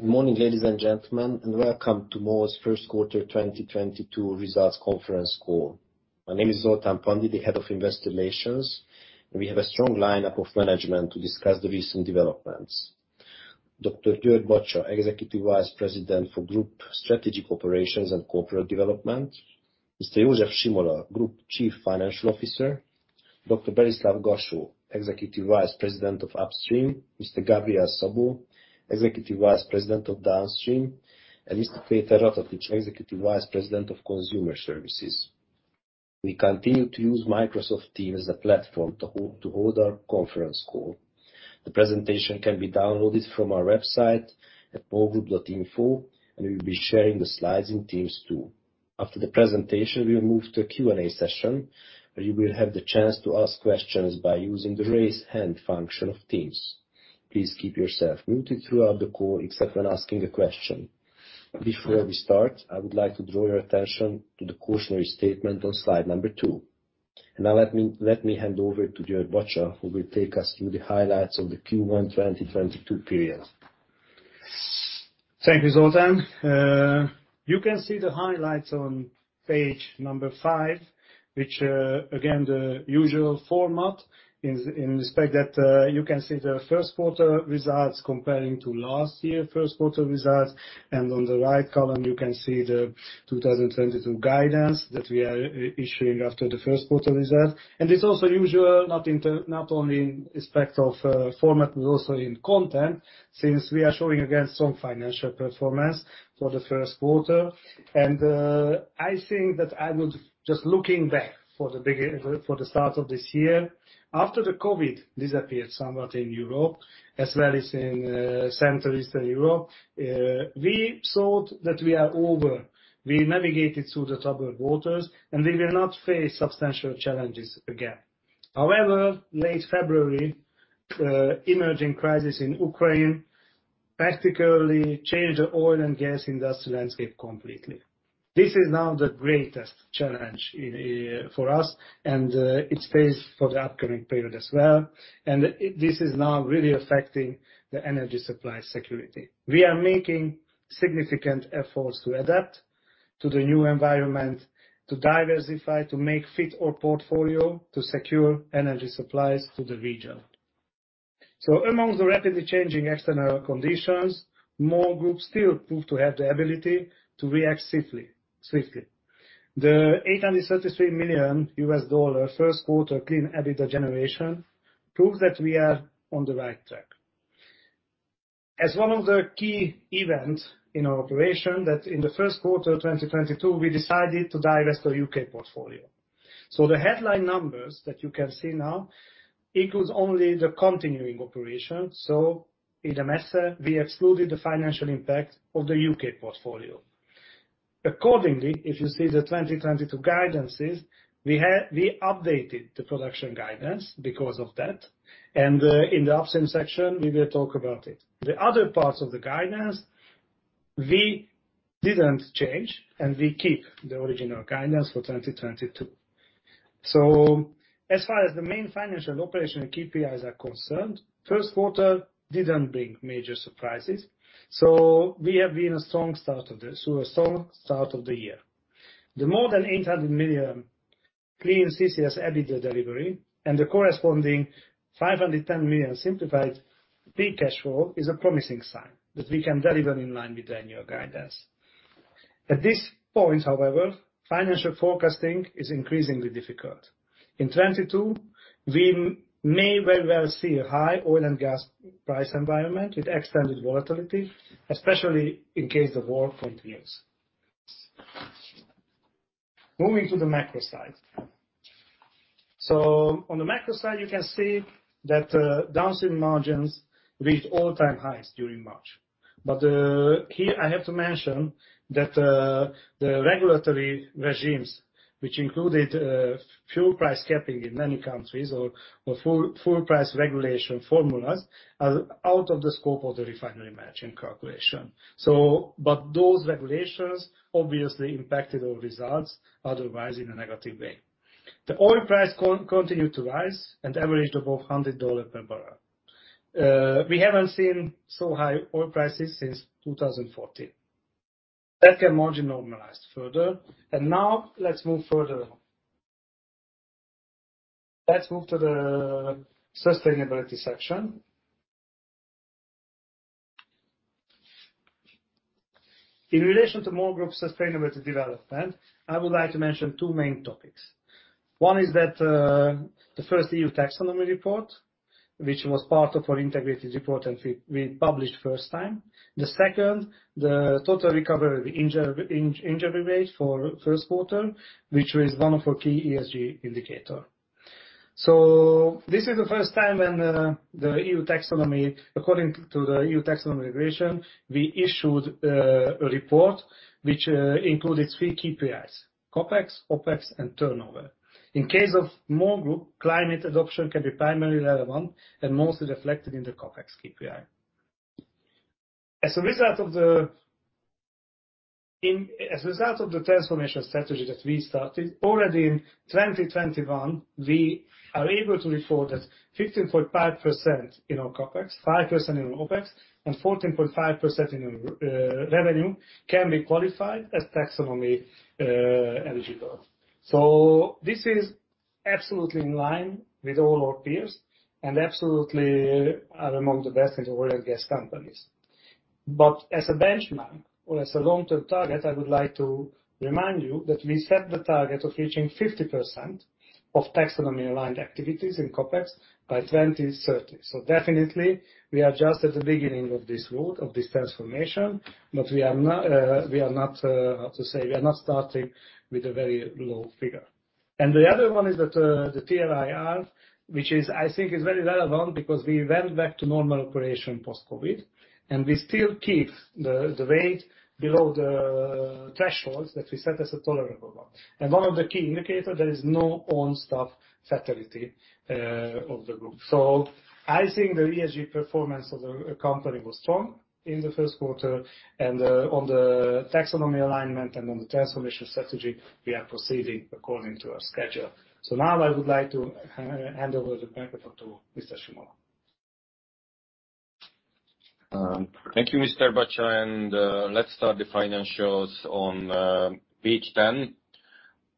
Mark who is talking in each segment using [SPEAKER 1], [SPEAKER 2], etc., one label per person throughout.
[SPEAKER 1] Good morning, ladies and gentlemen, and welcome to MOL's Q1 2022 results conference call. My name is Zsolt Pethő, the head of Investor Relations, and we have a strong line-up of management to discuss the recent developments. Dr. György Bacsa, Executive Vice President for Group Strategy Operations and Corporate Development, Mr. József Simola, Group Chief Financial Officer, Dr. Balázs Garsó, Executive Vice President of Upstream, Mr. Gabriel Szabó, Executive Vice President of Downstream, and Mr. Péter Ratatics, Executive Vice President of Consumer Services. We continue to use Microsoft Teams as a platform to hold our conference call. The presentation can be downloaded from our website at molgroup.info, and we'll be sharing the slides in Teams too. After the presentation, we'll move to a Q&A session, where you will have the chance to ask questions by using the Raise Hand function of Teams. Please keep yourself muted throughout the call, except when asking a question. Before we start, I would like to draw your attention to the cautionary statement on slide number 2. Now, let me hand over to György Bacsa, who will take us through the highlights of the Q1 2022 period.
[SPEAKER 2] Thank you, Zsolt. You can see the highlights on page number 5, which, again, the usual format in respect that you can see the Q1 results comparing to last year Q1 results. On the right column, you can see the 2022 guidance that we are issuing after the Q1 result. It's also usual, not only in respect of format, but also in content, since we are showing against some financial performance for the Q1. I think that I would just looking back for the start of this year. After the COVID disappeared somewhat in Europe as well as in Central and Eastern Europe, we thought that we are over, we navigated through the troubled waters, and we will not face substantial challenges again. However, late February emerging crisis in Ukraine practically changed the oil and gas industry landscape completely. This is now the greatest challenge in for us and it's faced for the upcoming period as well. This is now really affecting the energy supply security. We are making significant efforts to adapt to the new environment, to diversify, to make fit our portfolio, to secure energy supplies to the region. Amongst the rapidly changing external conditions, MOL Group still proves to have the ability to react swiftly. The $833 million Q1 clean EBITDA generation proves that we are on the right track. As one of the key events in our operation, that in the Q1 of 2022, we decided to divest our UK portfolio. The headline numbers that you can see now equals only the continuing operation. In essence, we excluded the financial impact of the UK portfolio. Accordingly, if you see the 2022 guidances, we updated the production guidance because of that, and in the upstream section, we will talk about it. The other parts of the guidance we didn't change, and we keep the original guidance for 2022. As far as the main financial and operational KPIs are concerned, Q1 didn't bring major surprises, so we've had a strong start of the year. The more than $800 million clean CCS EBITDA delivery and the corresponding $510 million simplified free cash flow is a promising sign that we can deliver in line with annual guidance. At this point, however, financial forecasting is increasingly difficult. In 2022, we may very well see a high oil and gas price environment with extended volatility, especially in case the war continues. Moving to the macro side. On the macro side, you can see that, downstream margins reached all-time highs during March. Here I have to mention that, the regulatory regimes, which included, fuel price capping in many countries or full price regulation formulas, are out of the scope of the refinery margin calculation. Those regulations obviously impacted our results otherwise in a negative way. The oil price continued to rise and averaged above $100 per barrel. We haven't seen so high oil prices since 2014. The crack margin normalized further. Now let's move further on. Let's move to the sustainability section. In relation to MOL Group sustainability development, I would like to mention two main topics. One is that the first EU Taxonomy report, which was part of our integrated report, and we published first time. The second, the total recordable injury rate forQ1, which was one of our key ESG indicator. This is the first time when, according to the EU Taxonomy regulation, we issued a report which included three KPIs, CapEx, OpEx, and turnover. In case of MOL Group, climate adaptation can be primarily relevant and mostly reflected in the CapEx KPI. As a result of the transformation strategy that we started already in 2021, we are able to report that 15.5% in our CapEx, 5% in our OpEx, and 14.5% in our revenue can be qualified as taxonomy eligible. This is absolutely in line with all our peers and absolutely are among the best in oil and gas companies. As a benchmark or as a long-term target, I would like to remind you that we set the target of reaching 50% of taxonomy aligned activities in CapEx by 2030. Definitely, we are just at the beginning of this road, of this transformation, but we are not, how to say, starting with a very low figure. The other one is that the TRIR, which I think is very relevant because we went back to normal operation post-COVID, and we still keep the rate below the thresholds that we set as a tolerable one. One of the key indicator, there is no on-staff fatality of the group. I think the ESG performance of the company was strong in the Q1. On the taxonomy alignment and on the transformation strategy, we are proceeding according to our schedule. Now I would like to hand over to Mr. Simola.
[SPEAKER 3] Thank you, Mr. Bacsa, and let's start the financials on page 10.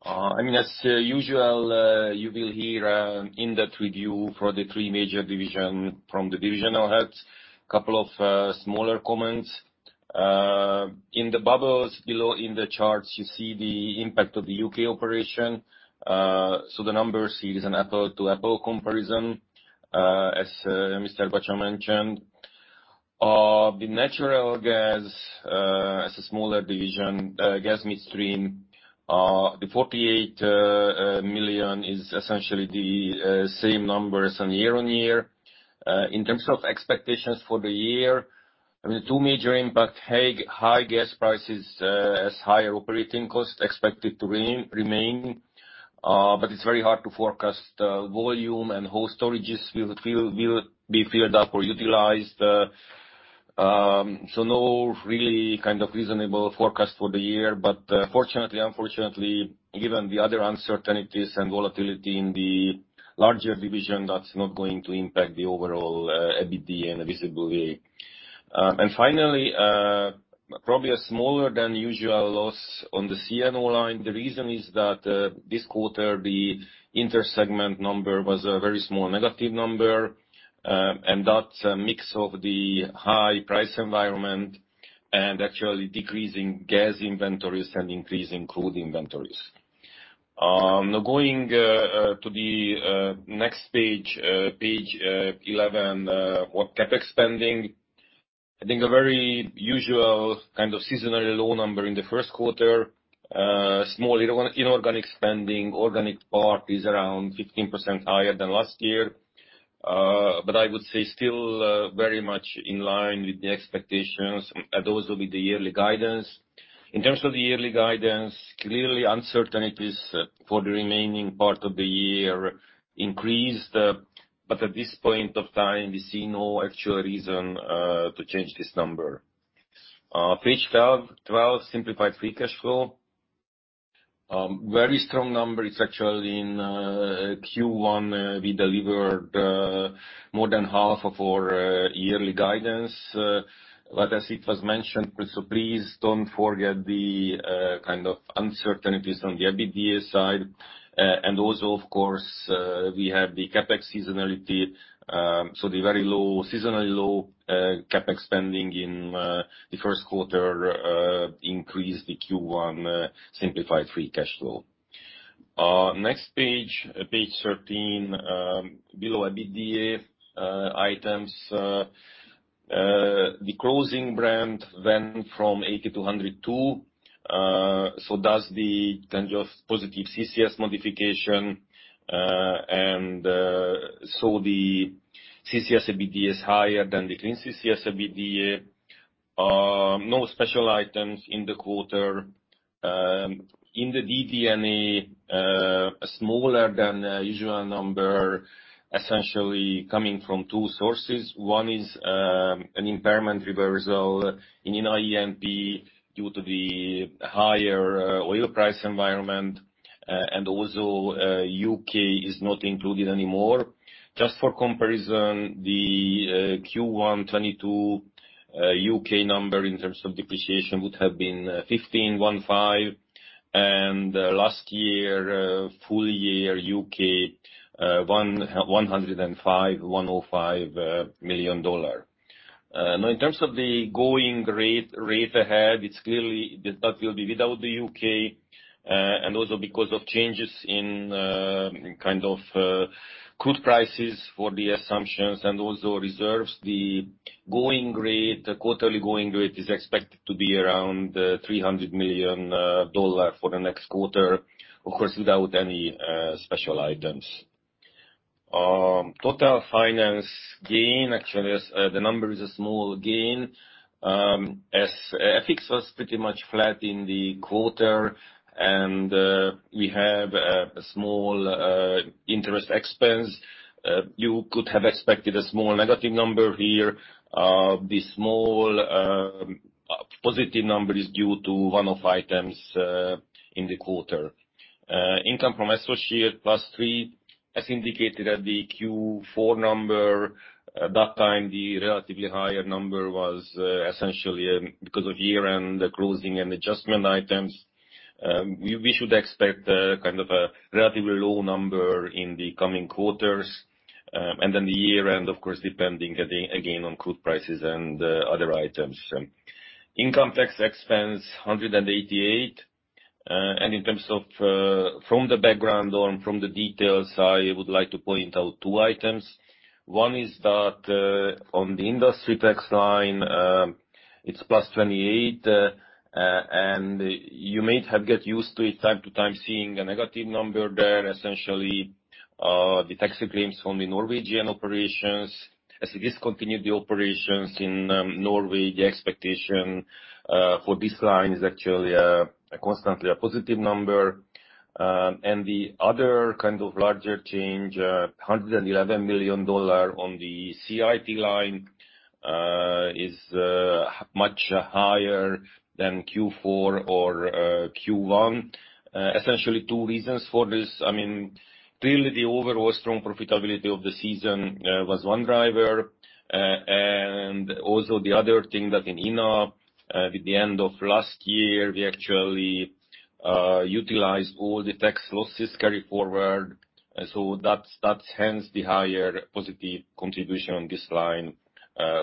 [SPEAKER 3] I mean, as usual, you will hear in-depth review for the three major divisions from the divisional heads. Couple of smaller comments. In the bubbles below in the charts, you see the impact of the UK operation. So the numbers are an apples-to-apples comparison, as Mr. Bacsa mentioned. The natural gas, as a smaller division, Gas Midstream, the 48 million is essentially the same numbers on year-on-year. In terms of expectations for the year, I mean, two major impacts, high gas prices, and higher operating costs expected to remain. But it's very hard to forecast volume and how storages will be filled up or utilized. No really kind of reasonable forecast for the year. Fortunately, unfortunately, given the other uncertainties and volatility in the larger division, that's not going to impact the overall EBITDA and visibility. Finally, probably a smaller than usual loss on the C&O line. The reason is that this quarter, the intersegment number was a very small negative number. That's a mix of the high price environment and actually decreasing gas inventories and increasing crude inventories. Now going to the next page 11, CapEx spending. I think a very usual kind of seasonally low number in the Q1. Small inorganic spending. Organic part is around 15% higher than last year. I would say still, very much in line with the expectations, and those will be the yearly guidance. In terms of the yearly guidance, clearly uncertainties for the remaining part of the year increased. At this point of time, we see no actual reason to change this number. Page 12, simplified free cash flow. Very strong number. It's actually in Q1, we delivered more than half of our yearly guidance. As it was mentioned, please don't forget the kind of uncertainties on the EBITDA side. Also, of course, we have the CapEx seasonality. The very low, seasonally low, CapEx spending in the Q1 increased the Q1 simplified free cash flow. Next page thirteen, below EBITDA items, the closing Brent went from 80 to 102, so the change to positive CCS modification. The CCS EBITDA is higher than the clean CCS EBITDA. No special items in the quarter. In the DD&A, a smaller than usual number essentially coming from two sources. One is an impairment reversal in E&P due to the higher oil price environment. Also, U.K. is not included anymore. Just for comparison, the Q1 2022 U.K. number in terms of depreciation would have been $151.5 million. Last year full year U.K. $105 million. Now in terms of the going rate ahead, it's clear that will be without the U.K. Because of changes in kind of crude prices for the assumptions and also reserves. The going rate, the quarterly going rate is expected to be around $300 million for the next quarter, of course, without any special items. Total finance gain actually is the number is a small gain, as FX was pretty much flat in the quarter and we have a small interest expense. You could have expected a small negative number here. The small positive number is due to one-off items in the quarter. Income from associated +3, as indicated at the Q4 number. That time the relatively higher number was essentially because of year-end closing and adjustment items. We should expect kind of a relatively low number in the coming quarters. Then the year-end, of course, depending again on crude prices and other items. Income tax expense $188 million. In terms of the background or the details, I would like to point out two items. One is that on the industry tax line, it's +$28 million. You may have gotten used to it from time to time, seeing a negative number there. Essentially, the tax agreements from the Norwegian operations as we discontinued the operations in Norway, the expectation for this line is actually constantly a positive number. The other kind of larger change, $111 million on the CIT line, is much higher than Q4 or Q1. Essentially two reasons for this. I mean, clearly the overall strong profitability of the segment was one driver. Also the other thing that in INA with the end of last year, we actually utilized all the tax losses carry forward. So that's hence the higher positive contribution on this line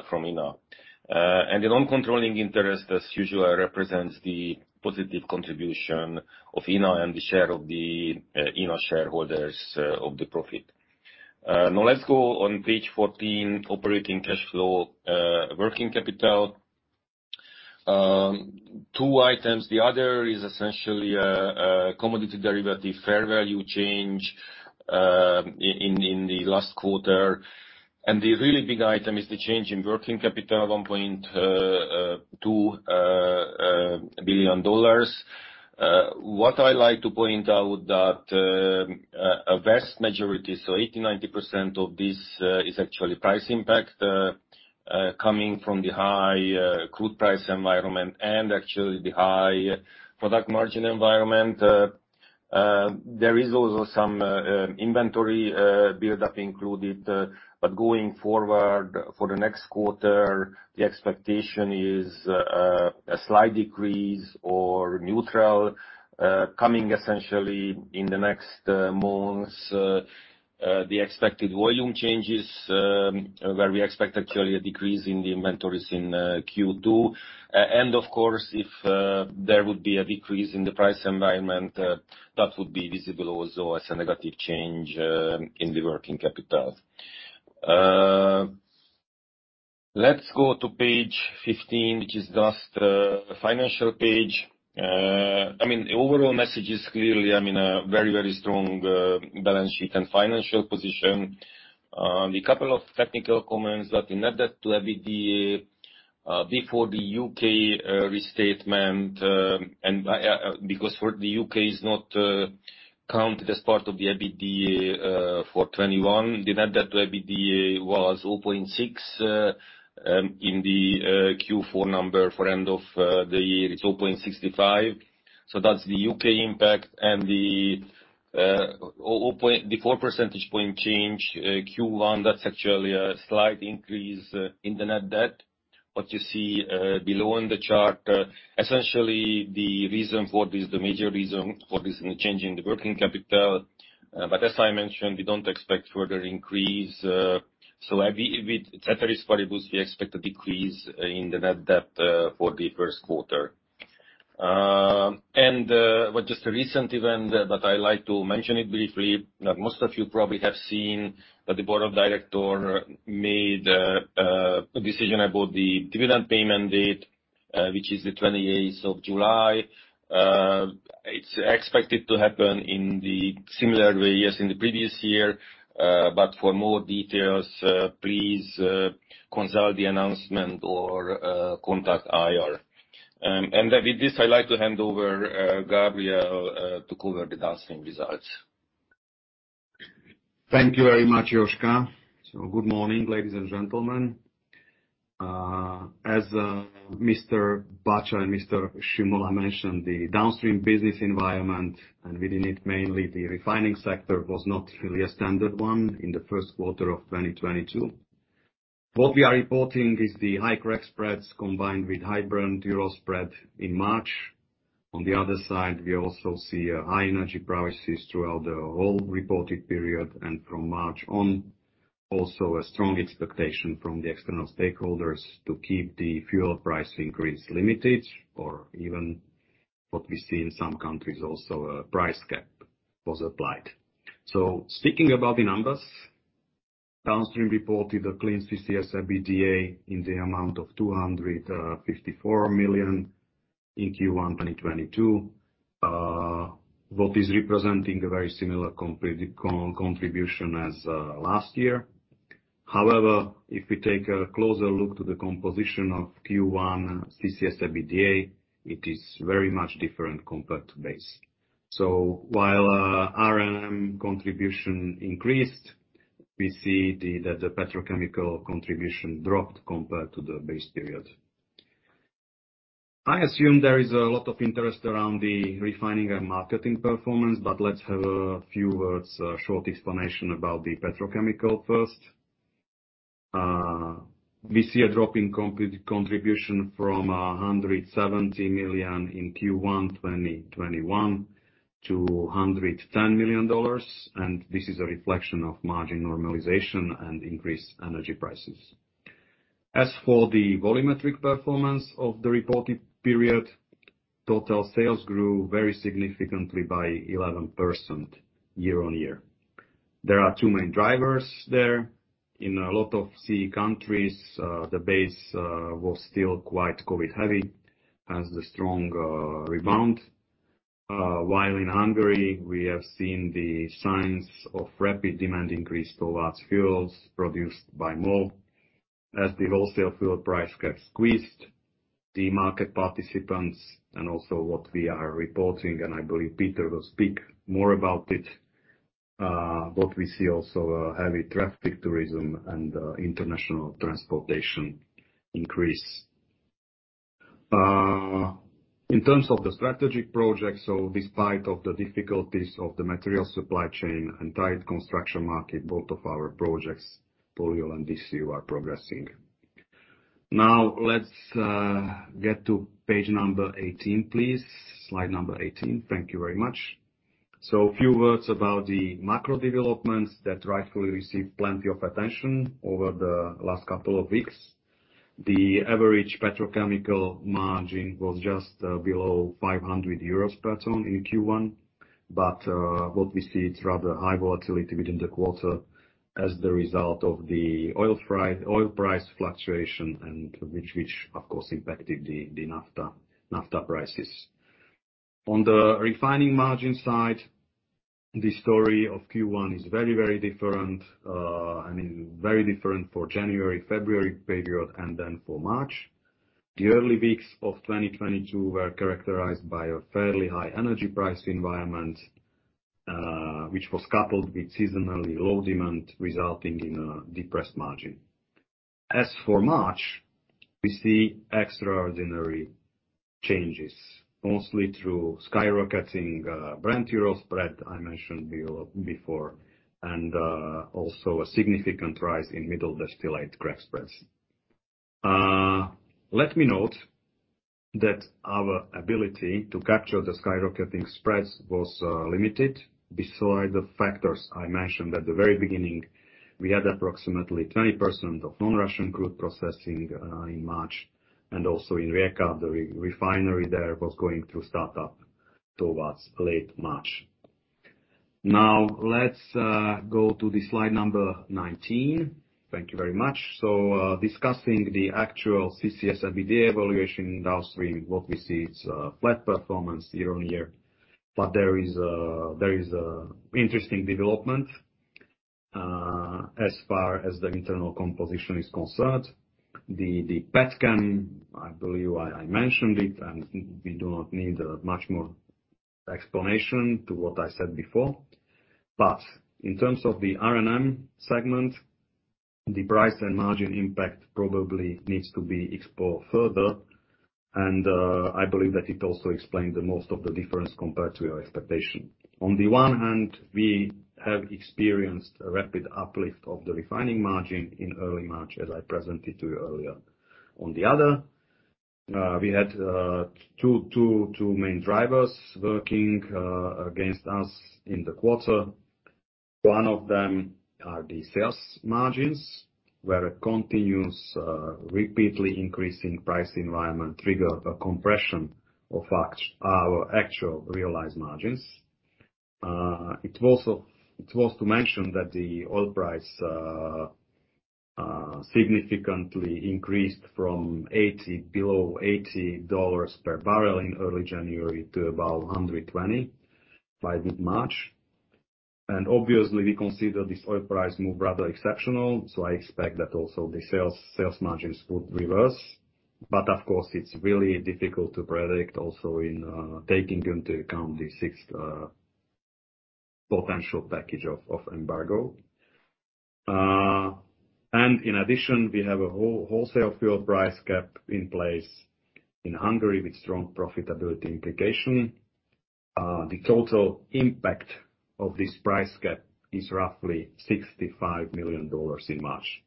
[SPEAKER 3] from INA. The non-controlling interest, as usual, represents the positive contribution of INA and the share of the INA shareholders of the profit. Now let's go on page 14, operating cash flow, working capital. Two items. The other is essentially a commodity derivative fair value change in the last quarter. The really big item is the change in working capital of $1.2 billion. What I like to point out that a vast majority, so 80%-90% of this is actually price impact coming from the high crude price environment and actually the high product margin environment. There is also some inventory buildup included. But going forward for the next quarter, the expectation is a slight decrease or neutral coming essentially in the next months. The expected volume changes, where we expect actually a decrease in the inventories in Q2. And of course, if there would be a decrease in the price environment, that would be visible also as a negative change in the working capital. Let's go to page 15, which is just a financial page. I mean, overall message is clearly, I mean, a very, very strong balance sheet and financial position. A couple of technical comments on net debt to EBITDA before the U.K. restatement, and because the U.K. is not counted as part of the EBITDA for 2021. The net debt to EBITDA was 0.6 in the Q4 number. For end of the year it's 0.65. So that's the U.K. impact. The 0.04 percentage point change in Q1, that's actually a slight increase in the net debt. What you see below in the chart is essentially the reason for this, the major reason for this is the change in the working capital. As I mentioned, we don't expect further increase. EBITDA ceteris paribus, we expect a decrease in the net debt for the Q1. With just a recent event that I'd like to mention it briefly, that most of you probably have seen that the board of directors made a decision about the dividend payment date, which is the twenty-eighth of July. It's expected to happen in the similar way as in the previous year. For more details, please consult the announcement or contact IR. With this, I'd like to hand over Gabriel to cover the downstream results.
[SPEAKER 4] Thank you very much, József. Good morning, ladies and gentlemen. As Mr. Bacsa and Mr. Simola mentioned, the downstream business environment, and within it, mainly the refining sector, was not really a standard one in the Q1 of 2022. What we are reporting is the high crack spreads combined with high Brent-Urals spread in March. On the other side, we also see high energy prices throughout the whole reported period. From March on, also a strong expectation from the external stakeholders to keep the fuel price increase limited. Even what we see in some countries, a price cap was applied. Speaking about the numbers. Downstream reported a clean CCS EBITDA in the amount of $254 million in Q1 2022, what is representing a very similar contribution as last year. However, if we take a closer look to the composition of Q1 CCS EBITDA, it is very much different compared to base. While R&M contribution increased, we see the petrochemical contribution dropped compared to the base period. I assume there is a lot of interest around the refining and marketing performance, but let's have a few words, a short explanation about the petrochemical first. We see a drop in contribution from $170 million in Q1 2021 to $110 million, and this is a reflection of margin normalization and increased energy prices. As for the volumetric performance of the reported period, total sales grew very significantly by 11% year-on-year. There are two main drivers there. In a lot of CEE countries, the base was still quite COVID heavy, hence the strong rebound. While in Hungary, we have seen the signs of rapid demand increase towards fuels produced by MOL. As the wholesale fuel price got squeezed, the market participants and also what we are reporting, and I believe Peter will speak more about it, what we see also a heavy traffic tourism and international transportation increase. In terms of the strategic projects, despite of the difficulties of the material supply chain and tight construction market, both of our projects, Polyol and DC, are progressing. Now, let's get to page number 18, please. Slide number 18. Thank you very much. A few words about the macro developments that rightfully received plenty of attention over the last couple of weeks. The average petrochemical margin was just below 500 euros per ton in Q1, but what we see it's rather high volatility within the quarter as the result of the oil price fluctuation and which of course impacted the naphtha prices. On the refining margin side, the story of Q1 is very different. I mean, very different for January, February period, and then for March. The early weeks of 2022 were characterized by a fairly high energy price environment, which was coupled with seasonally low demand, resulting in a depressed margin. As for March, we see extraordinary changes, mostly through skyrocketing Brent-Urals spread I mentioned before and also a significant rise in middle distillate crack spreads. Let me note that our ability to capture the skyrocketing spreads was limited. Besides the factors I mentioned at the very beginning, we had approximately 20% of non-Russian crude processing in March, and also in Rijeka, the refinery there was going through start-up towards late March. Now, let's go to the slide number 19. Thank you very much. So, discussing the actual CCS EBITDA in downstream, what we see, it's a flat performance year-on-year. There is an interesting development as far as the internal composition is concerned. The petchem, I believe I mentioned it, and we do not need much more explanation to what I said before. In terms of the R&M segment, the price and margin impact probably needs to be explored further. I believe that it also explained most of the difference compared to your expectation. On the one hand, we have experienced a rapid uplift of the refining margin in early March, as I presented to you earlier. On the other, we had two main drivers working against us in the quarter. One of them are the sales margins, where a continuous, repeatedly increasing price environment triggered a compression of our actual realized margins. It's also worth to mention that the oil price significantly increased from below $80 per barrel in early January to about $120 by mid-March. Obviously, we consider this oil price move rather exceptional, so I expect that also the sales margins would reverse. Of course, it's really difficult to predict also in taking into account the sixth potential package of embargo. In addition, we have a wholesale fuel price cap in place in Hungary with strong profitability implication. The total impact of this price cap is roughly $65 million in March.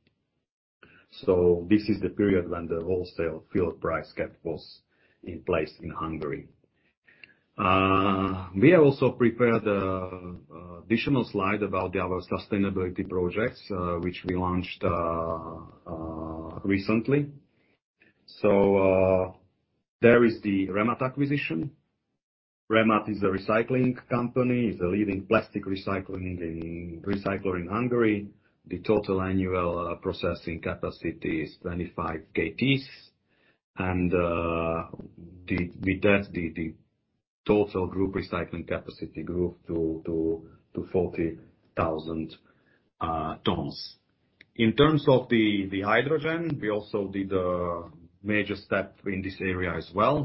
[SPEAKER 4] This is the period when the wholesale fuel price cap was in place in Hungary. We have also prepared additional slide about our sustainability projects which we launched recently. There is the ReMat acquisition. ReMat is a recycling company, is a leading plastic recycler in Hungary. The total annual processing capacity is 25 kt. With that the total group recycling capacity grew to 40,000 tons. In terms of the hydrogen, we also did a major step in this area as well.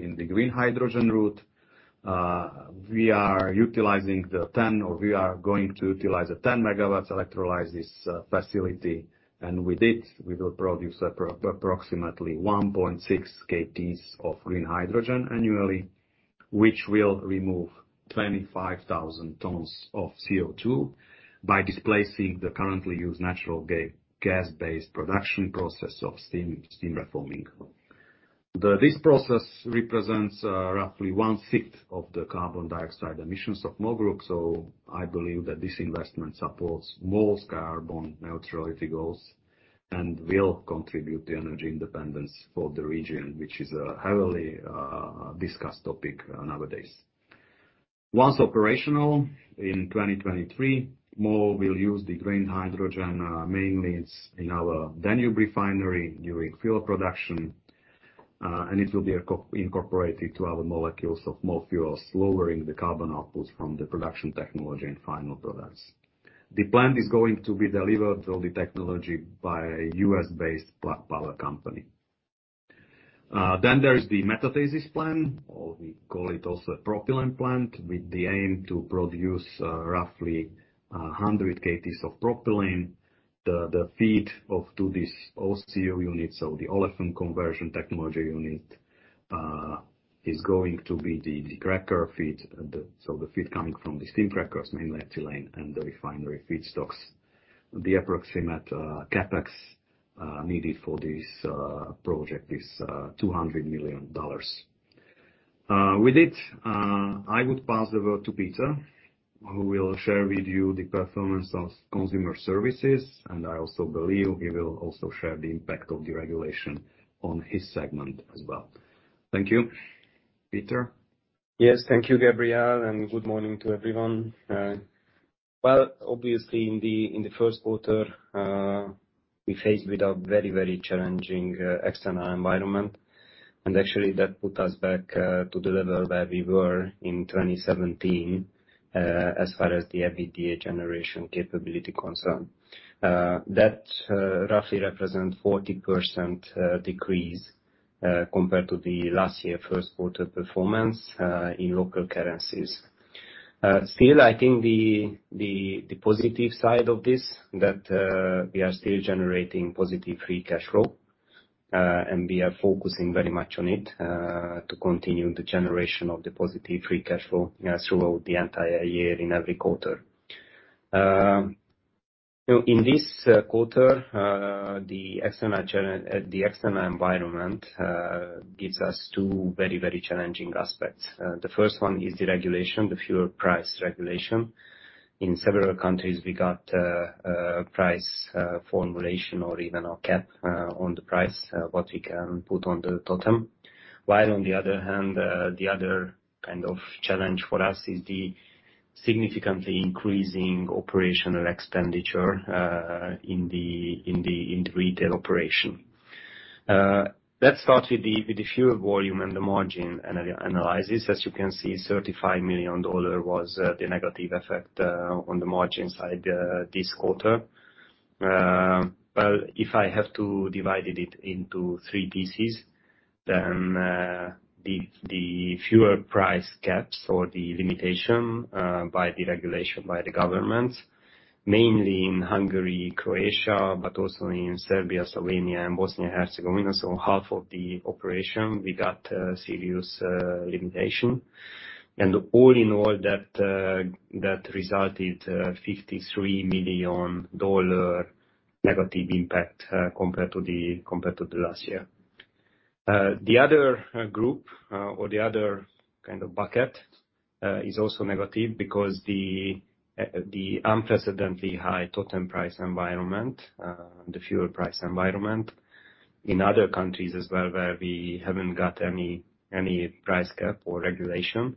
[SPEAKER 4] In the green hydrogen route, we are going to utilize the 10-megawatt electrolysis facility, and with it, we will produce approximately 1.6 kt of green hydrogen annually, which will remove 25,000 tons of CO2 by displacing the currently used natural gas-based production process of steam reforming. This process represents roughly one-fifth of the carbon dioxide emissions of MOL Group. I believe that this investment supports most carbon neutrality goals and will contribute to energy independence for the region, which is a heavily discussed topic nowadays. Once operational in 2023, MOL will use the green hydrogen, mainly in our Danube Refinery during fuel production, and it will be incorporated to our molecules of MOL fuels, lowering the carbon outputs from the production technology and final products. The plant is going to be delivered all the technology by a U.S.-based power company. There is the metathesis plant, or we call it also propylene plant, with the aim to produce roughly 100 kt of propylene. The feed to this OCT unit, so the olefin conversion technology unit, is going to be the cracker feed, the feed coming from the steam crackers, mainly ethylene and the refinery feedstocks. The approximate CapEx needed for this project is $200 million. With it, I would pass the word to Peter, who will share with you the performance of consumer services. I also believe he will also share the impact of the regulation on his segment as well. Thank you. Péter?
[SPEAKER 5] Yes. Thank you, Gabriel, and good morning to everyone. Well, obviously in the Q1, we faced with a very, very challenging external environment. Actually that put us back to the level where we were in 2017 as far as the EBITDA generation capability concern. That roughly represent 40% decrease compared to the last year Q1 performance in local currencies. Still I think the positive side of this that we are still generating positive free cash flow and we are focusing very much on it to continue the generation of the positive free cash flow throughout the entire year in every quarter. In this quarter, the external environment gives us two very, very challenging aspects. The first one is the regulation, the fuel price regulation. In several countries, we got a price formulation or even a cap on the price what we can put on the totem, while on the other hand, the other kind of challenge for us is the significantly increasing operational expenditure in the retail operation. Let's start with the fuel volume and the margin analysis. As you can see, $35 million was the negative effect on the margin side this quarter. If I have to divide it into three pieces then, the fuel price caps or the limitation by the regulation by the governments, mainly in Hungary, Croatia, but also in Serbia, Slovenia and Bosnia and Herzegovina. Half of the operation, we got serious limitation. All in all, that resulted in a $53 million negative impact compared to last year. The other group or the other kind of bucket is also negative because the unprecedentedly high total price environment, the fuel price environment in other countries as well, where we haven't got any price cap or regulation.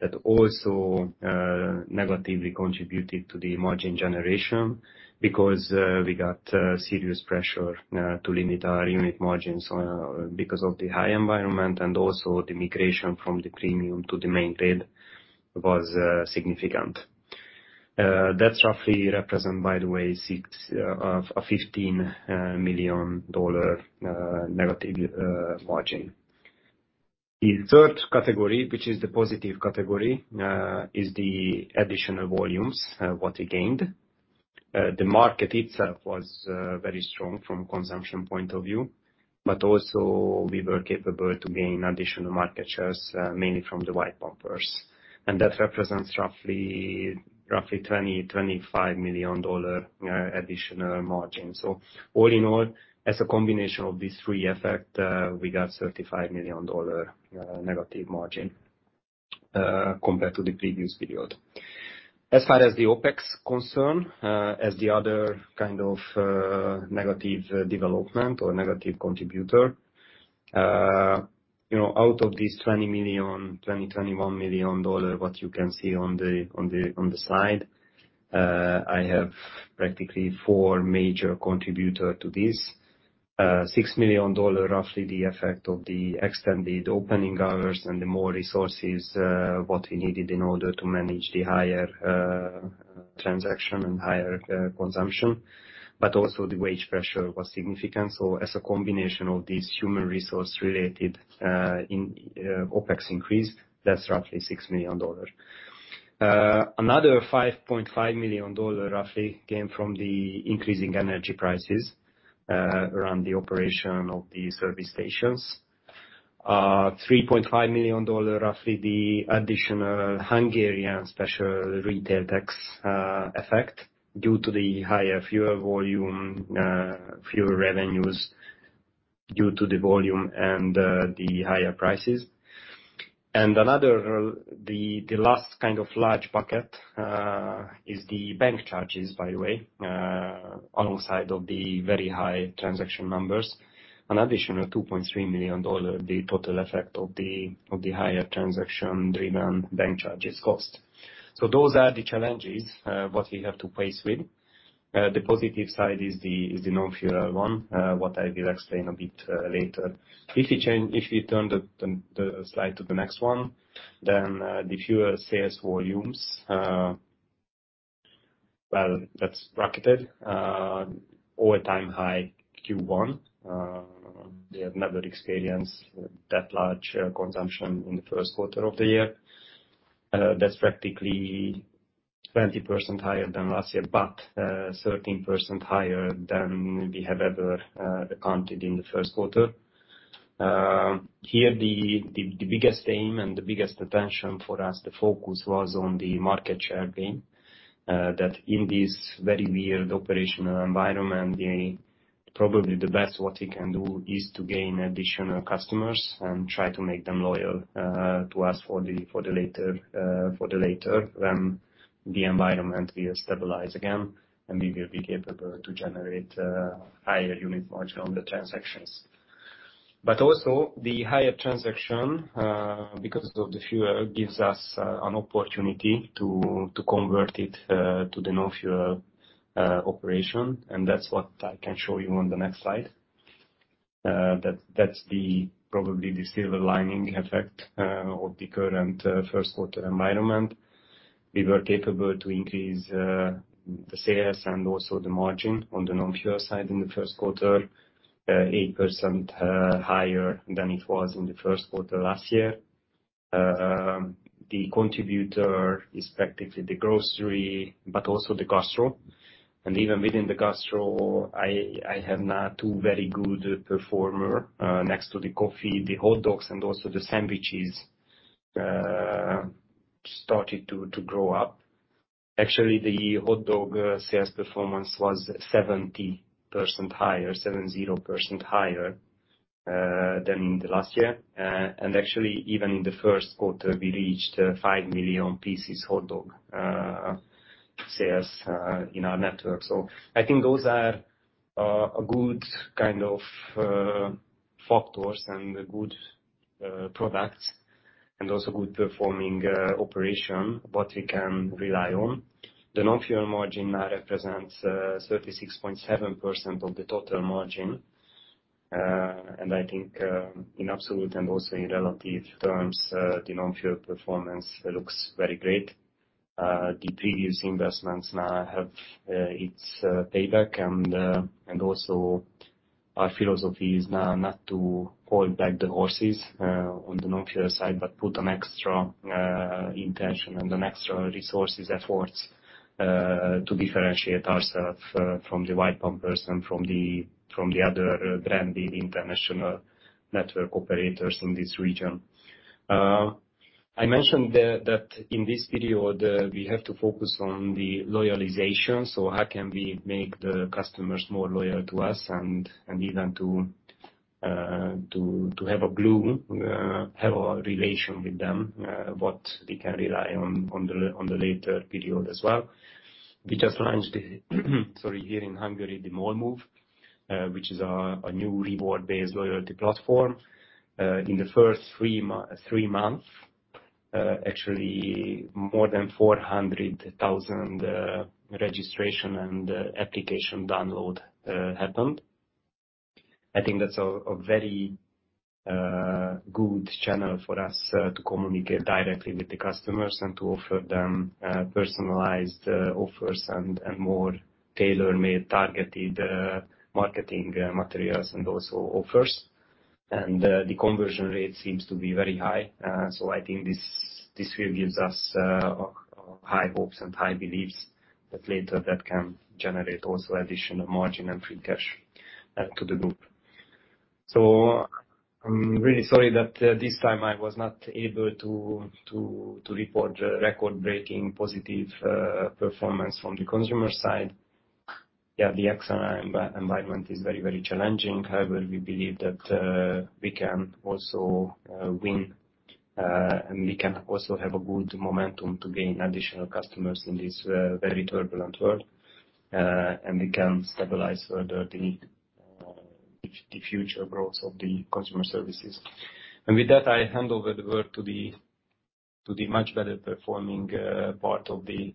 [SPEAKER 5] That also negatively contributed to the margin generation because we got serious pressure to limit our unit margins because of the high environment and also the migration from the premium to the main grade was significant. That roughly represent, by the way, a $15 million negative margin. The third category, which is the positive category, is the additional volumes what we gained. The market itself was very strong from a consumption point of view, but also we were capable to gain additional market shares, mainly from the white pumpers. That represents roughly 20-25 million dollar additional margin. All in all, as a combination of these three effect, we got $35 million negative margin compared to the previous period. As far as the OpEx concern, as the other kind of negative development or negative contributor, you know, out of these 20-21 million dollar, what you can see on the slide, I have practically four major contributor to this. $6 million, roughly the effect of the extended opening hours and the more resources what we needed in order to manage the higher transaction and higher consumption, but also the wage pressure was significant. As a combination of these human resource-related OpEx increase, that's roughly $6 million. Another $5.5 million, roughly, came from the increasing energy prices around the operation of the service stations. $3.5 million, roughly the additional Hungarian special retail tax effect due to the higher fuel volume fuel revenues due to the volume and the higher prices. Another, the last kind of large bucket is the bank charges, by the way, alongside of the very high transaction numbers. An additional $2.3 million, the total effect of the higher transaction-driven bank charges cost. Those are the challenges what we have to face with. The positive side is the non-fuel one what I will explain a bit later. If you turn the slide to the next one, then the fuel sales volumes, well, that's rocketed all-time high Q1. We have never experienced that large consumption in the Q1 of the year. That's practically 20% higher than last year, but 13% higher than we have ever accounted in the Q1. Here, the biggest aim and the biggest attention for us, the focus was on the market share gain, that in this very weird operational environment, probably the best what we can do is to gain additional customers and try to make them loyal to us for the later when the environment will stabilize again, and we will be capable to generate higher unit margin on the transactions. But also, the higher transaction because of the fuel gives us an opportunity to convert it to the non-fuel operation. That's what I can show you on the next slide. That's probably the silver lining effect of the current Q1 environment. We were capable to increase the sales and also the margin on the non-fuel side in the Q1 8% higher than it was in the Q1 last year. The contributor is practically the grocery, but also the gastro. Even within the gastro, I have now two very good performer next to the coffee, the hot dogs and also the sandwiches started to grow up. Actually, the hot dog sales performance was 70% higher than in the last year. Actually, even in the Q1, we reached 5 million pieces hot dog sales in our network. I think those are a good kind of factors and good products and also good performing operation what we can rely on. The non-fuel margin now represents 36.7% of the total margin. I think in absolute and also in relative terms the non-fuel performance looks very great. The previous investments now have its payback and also our philosophy is now not to hold back the horses on the non-fuel side, but put an extra intention and an extra resources efforts to differentiate ourselves from the white pumpers and from the other branded international network operators in this region. I mentioned that in this period we have to focus on the loyalization. How can we make the customers more loyal to us and even to have a glue, have a relation with them, what we can rely on in the later period as well. We just launched, sorry, here in Hungary, the MOL Move, which is a new reward-based loyalty platform. In the first three months, actually, more than 400,000 registration and application download happened. I think that's a very good channel for us to communicate directly with the customers and to offer them personalized offers and more tailor-made targeted marketing materials and also offers. The conversion rate seems to be very high. I think this will give us high hopes and high beliefs that later can generate also additional margin and free cash to the group. I'm really sorry that this time I was not able to report record-breaking positive performance from the consumer side. Yeah, the external environment is very challenging. However, we believe that we can also win and we can also have a good momentum to gain additional customers in this very turbulent world. We can stabilize further the future growth of the consumer services. With that, I hand over to the much better performing part of the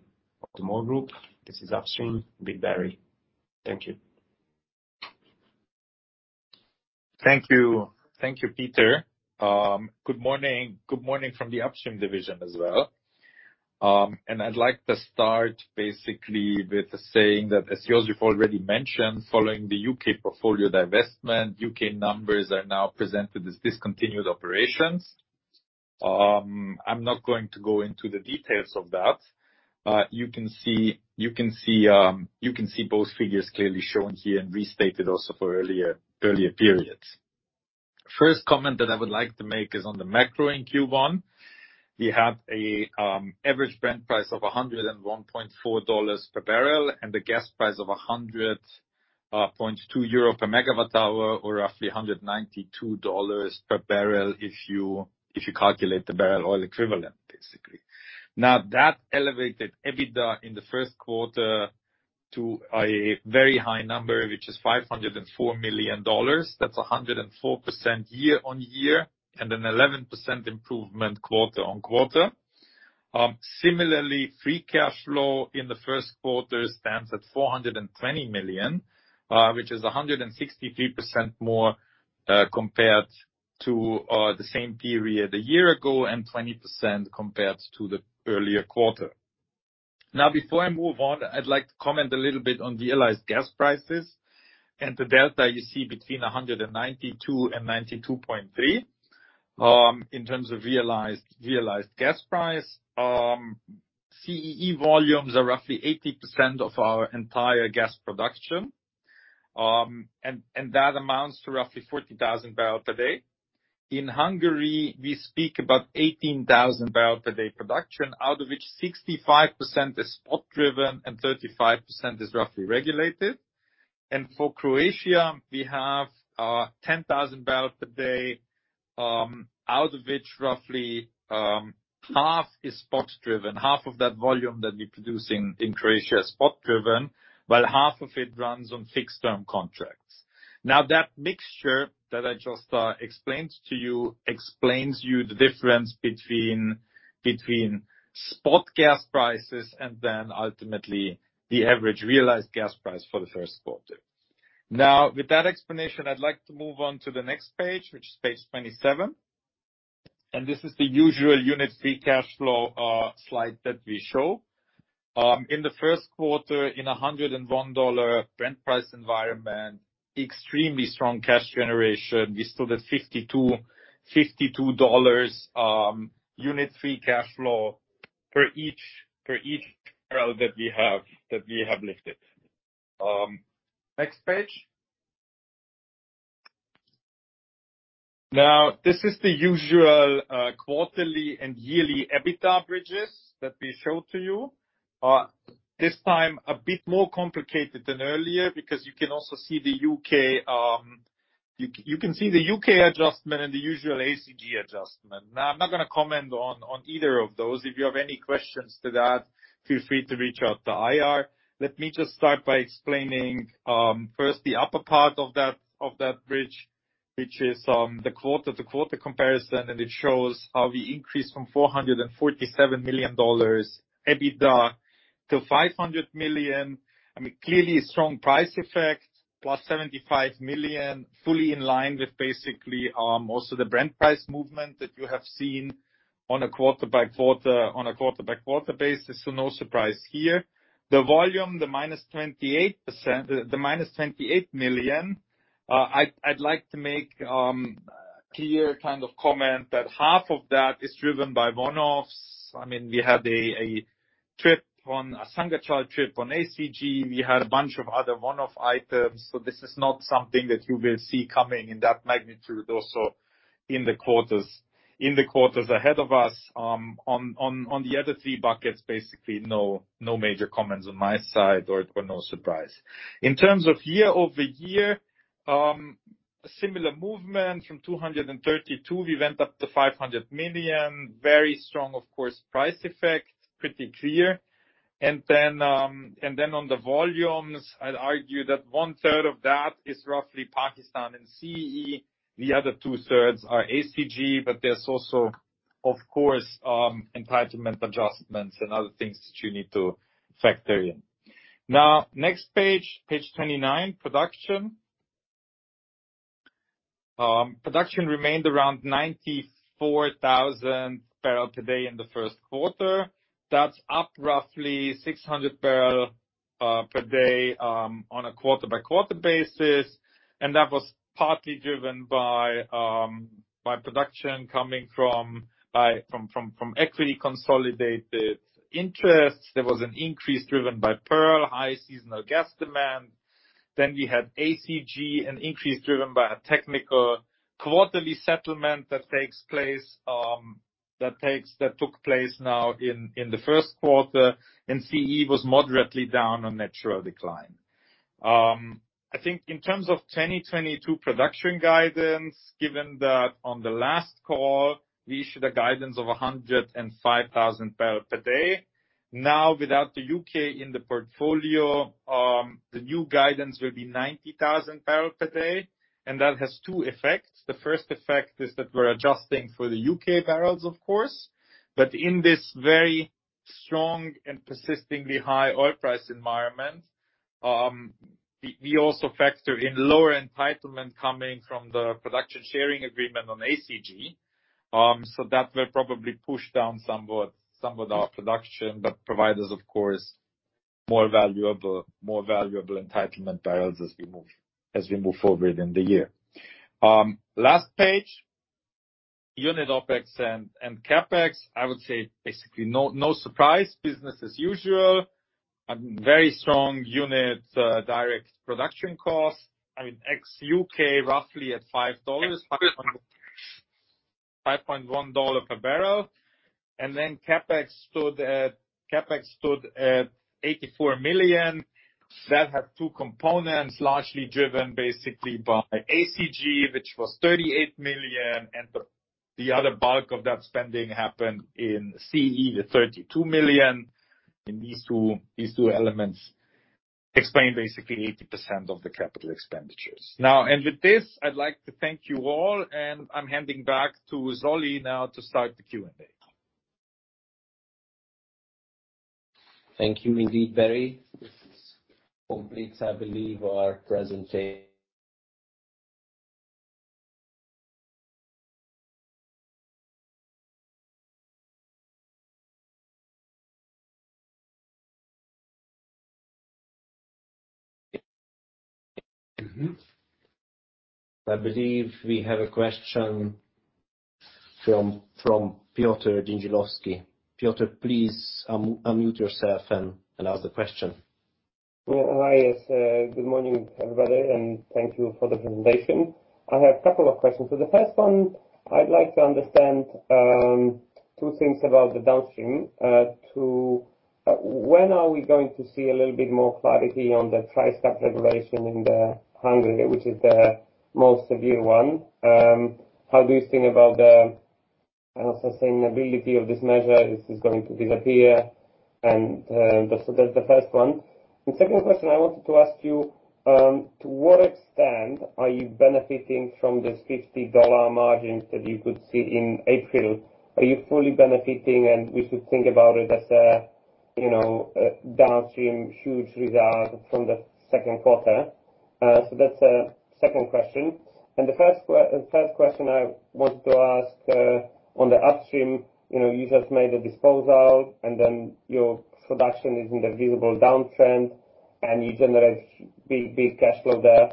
[SPEAKER 5] MOL Group. This is upstream with Balázs. Thank you.
[SPEAKER 6] Thank you. Thank you, Péter. Good morning. Good morning from the upstream division as well. I'd like to start basically with saying that, as József already mentioned, following the UK portfolio divestment, UK numbers are now presented as discontinued operations. I'm not going to go into the details of that, but you can see both figures clearly shown here and restated also for earlier periods. First comment that I would like to make is on the macro in Q1. We have an average Brent price of $101.4 per barrel and a gas price of 100.2 euro per megawatt-hour, or roughly $192 per barrel if you calculate the barrel of oil equivalent, basically. Now, that elevated EBITDA in the Q1 to a very high number, which is $504 million. That's 104% year-on-year, and an 11% improvement quarter-on-quarter. Similarly, free cash flow in the Q1 stands at $420 million, which is 163% more compared to the same period a year ago and 20% compared to the earlier quarter. Now, before I move on, I'd like to comment a little bit on realized gas prices and the delta you see between 192 and 92.3 in terms of realized gas price. CEE volumes are roughly 80% of our entire gas production, and that amounts to roughly 40,000 barrels per day. In Hungary, we speak about 18,000 barrels per day production, out of which 65% is spot-driven and 35% is roughly regulated. For Croatia, we have 10,000 barrels per day, out of which roughly half is spot-driven. Half of that volume that we produce in Croatia is spot-driven, while half of it runs on fixed term contracts. Now, that mixture that I just explained to you explains to you the difference between spot gas prices and then ultimately the average realized gas price for the Q1. Now, with that explanation, I'd like to move on to the next page, which is page 27. This is the usual unit free cash flow slide that we show. In the Q1, in a $101 Brent price environment, extremely strong cash generation. We stood at $52 unit free cash flow per each barrel that we have lifted. Next page. Now, this is the usual quarterly and yearly EBITDA bridges that we show to you. This time a bit more complicated than earlier because you can also see the UK adjustment and the usual ACG adjustment. Now, I'm not gonna comment on either of those. If you have any questions to that, feel free to reach out to IR. Let me just start by explaining first the upper part of that bridge, which is the quarter-over-quarter comparison, and it shows how we increased from $447 million EBITDA to $500 million. I mean, clearly a strong price effect, +$75 million, fully in line with basically also the Brent price movement that you have seen on a quarter-over-quarter basis. No surprise here. The volume, the -28%... The -28 million, I'd like to make clear kind of comment that half of that is driven by one-offs. I mean, we had a Sangachal trip on ACG. We had a bunch of other one-off items. This is not something that you will see coming in that magnitude also in the quarters ahead of us. On the other three buckets, basically no major comments on my side or no surprise. In terms of year-over-year, similar movement from 232, we went up to $500 million. Very strong, of course, price effect, pretty clear. Then on the volumes, I'd argue that one-third of that is roughly Pakistan and CEE. The other two-thirds are ACG. There's also, of course, entitlement adjustments and other things that you need to factor in. Now, next page 29, production. Production remained around 94,000 barrels per day in the Q1. That's up roughly 600 barrels per day on a quarter-by-quarter basis. That was partly driven by production coming from equity consolidated interests. There was an increase driven by Pearl, high seasonal gas demand. We had ACG, an increase driven by a technical quarterly settlement that took place now in the Q1. CEE was moderately down on natural decline. I think in terms of 2022 production guidance, given that on the last call, we issued a guidance of 105,000 barrel per day. Now, without the UK in the portfolio, the new guidance will be 90,000 barrel per day, and that has two effects. The first effect is that we're adjusting for the UK barrels, of course, but in this very strong and persistently high oil price environment, we also factor in lower entitlement coming from the production sharing agreement on ACG. That will probably push down somewhat our production, but provide us, of course, more valuable entitlement barrels as we move forward in the year. Last page, unit OpEx and CapEx. I would say basically no surprise, business as usual. A very strong unit direct production cost. I mean, ex UK, roughly at $5.1 per barrel. And then CapEx stood at $84 million. That had two components, largely driven basically by ACG, which was $38 million. And the other bulk of that spending happened in CEE, the $32 million. And these two elements explain basically 80% of the capital expenditures. Now with this, I'd like to thank you all, and I'm handing back to Zsolt now to start the Q&A.
[SPEAKER 1] Thank you indeed, Balázs. This completes, I believe, our presentation. I believe we have a question from Piotr Dzieciolowski. Piotr, please unmute yourself and allow the question.
[SPEAKER 7] Yeah. Hi. Good morning, everybody, and thank you for the presentation. I have a couple of questions. The first one, I'd like to understand two things about the downstream. When are we going to see a little bit more clarity on the price cap regulation in Hungary, which is the most severe one? How do you think about the sustainability of this measure? Is this going to disappear? That's the first one. The second question I wanted to ask you, to what extent are you benefiting from this $50 margins that you could see in April? Are you fully benefiting, and we should think about it as a, you know, a downstream huge result from the Q2? That's a second question. The first question I want to ask on the upstream, you know, you just made a disposal, and then your production is in the visible downtrend, and you generate big, big cash flow there.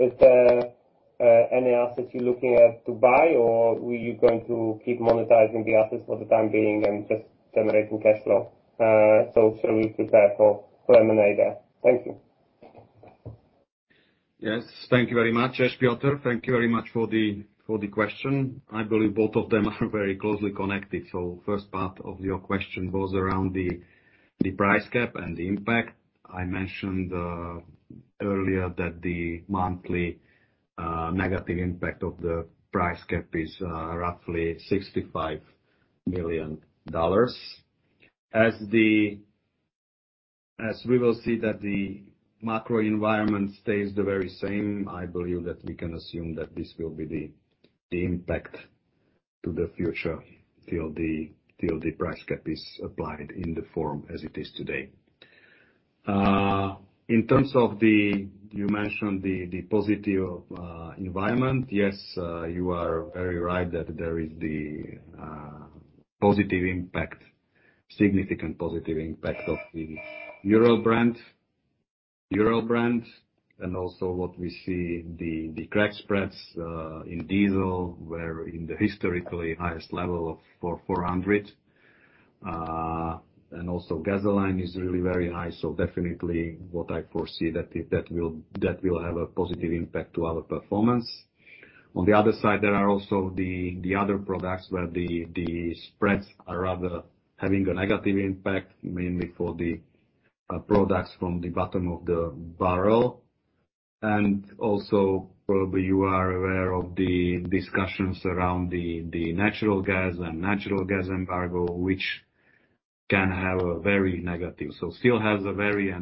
[SPEAKER 7] Is there any assets you're looking at to buy, or were you going to keep monetizing the assets for the time being and just generating cash flow? Shall we prepare for M&A there? Thank you.
[SPEAKER 4] Yes. Thank you very much. Yes, Piotr, thank you very much for the question. I believe both of them are very closely connected. First part of your question was around the price cap and the impact. I mentioned earlier that the monthly negative impact of the price cap is roughly $65 million. As we will see that the macro environment stays the very same, I believe that we can assume that this will be the impact to the future till the price cap is applied in the form as it is today. In terms of the positive environment. Yes, you are very right that there is the positive impact, significant positive impact of the Brent-Ural, and also what we see, the crack spreads in diesel were in the historically highest level of $400. gasoline is really very high. definitely what I foresee that will have a positive impact to our performance. On the other side, there are also the other products where the spreads are rather having a negative impact, mainly for the products from the bottom of the barrel. probably you are aware of the discussions around the natural gas embargo, which can have a very negative. still has a very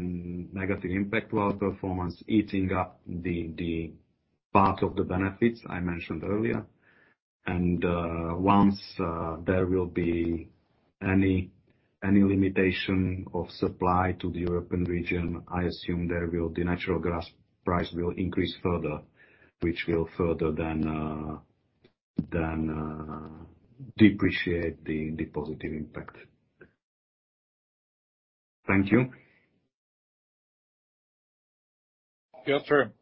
[SPEAKER 4] negative impact to our performance, eating up the part of the benefits I mentioned earlier. Once there will be any limitation of supply to the European region, I assume there will. The natural gas price will increase further, which will further then depreciate the positive impact. Thank you.
[SPEAKER 6] Piotr,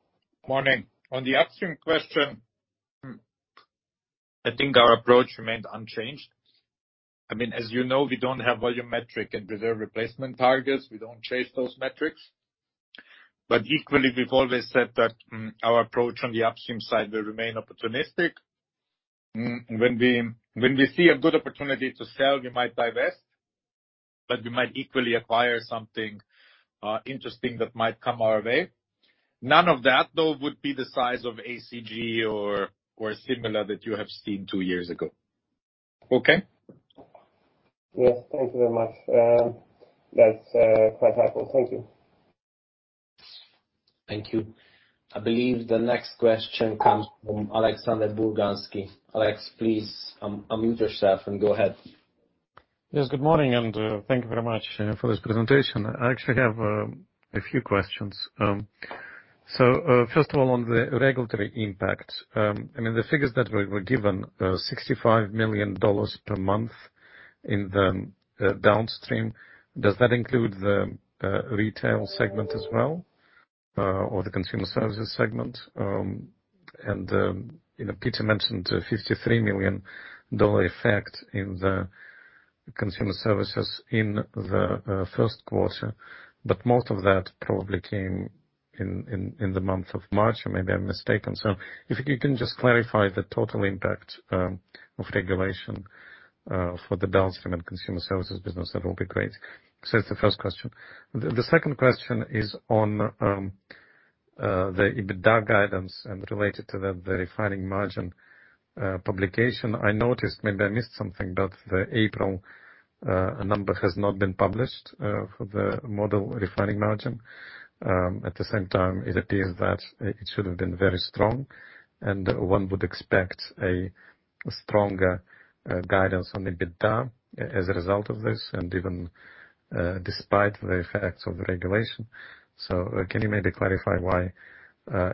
[SPEAKER 6] morning. On the upstream question I think our approach remained unchanged. I mean, as you know, we don't have volumetric and reserve replacement targets. We don't chase those metrics. Equally, we've always said that our approach on the upstream side will remain opportunistic. When we see a good opportunity to sell, we might divest, but we might equally acquire something interesting that might come our way. None of that, though, would be the size of ACG or similar that you have seen two years ago. Okay?
[SPEAKER 7] Yes. Thank you very much. That's quite helpful. Thank you.
[SPEAKER 1] Thank you. I believe the next question comes from Alexander Burganski. Alex, please unmute yourself and go ahead.
[SPEAKER 8] Yes, good morning, thank you very much for this presentation. I actually have a few questions. First of all, on the regulatory impact, I mean, the figures that were given, $65 million per month in the downstream, does that include the retail segment as well, or the consumer services segment? And, you know, Peter mentioned a $53 million effect in the consumer services in the Q1, but most of that probably came in the month of March, or maybe I'm mistaken. If you can just clarify the total impact of regulation for the downstream and consumer services business, that will be great. That's the first question. The second question is on the EBITDA guidance and related to the refining margin publication. I noticed, maybe I missed something, but the April number has not been published for the model refining margin. At the same time, it appears that it should have been very strong and one would expect a stronger guidance on EBITDA as a result of this and even despite the effects of the regulation. Can you maybe clarify why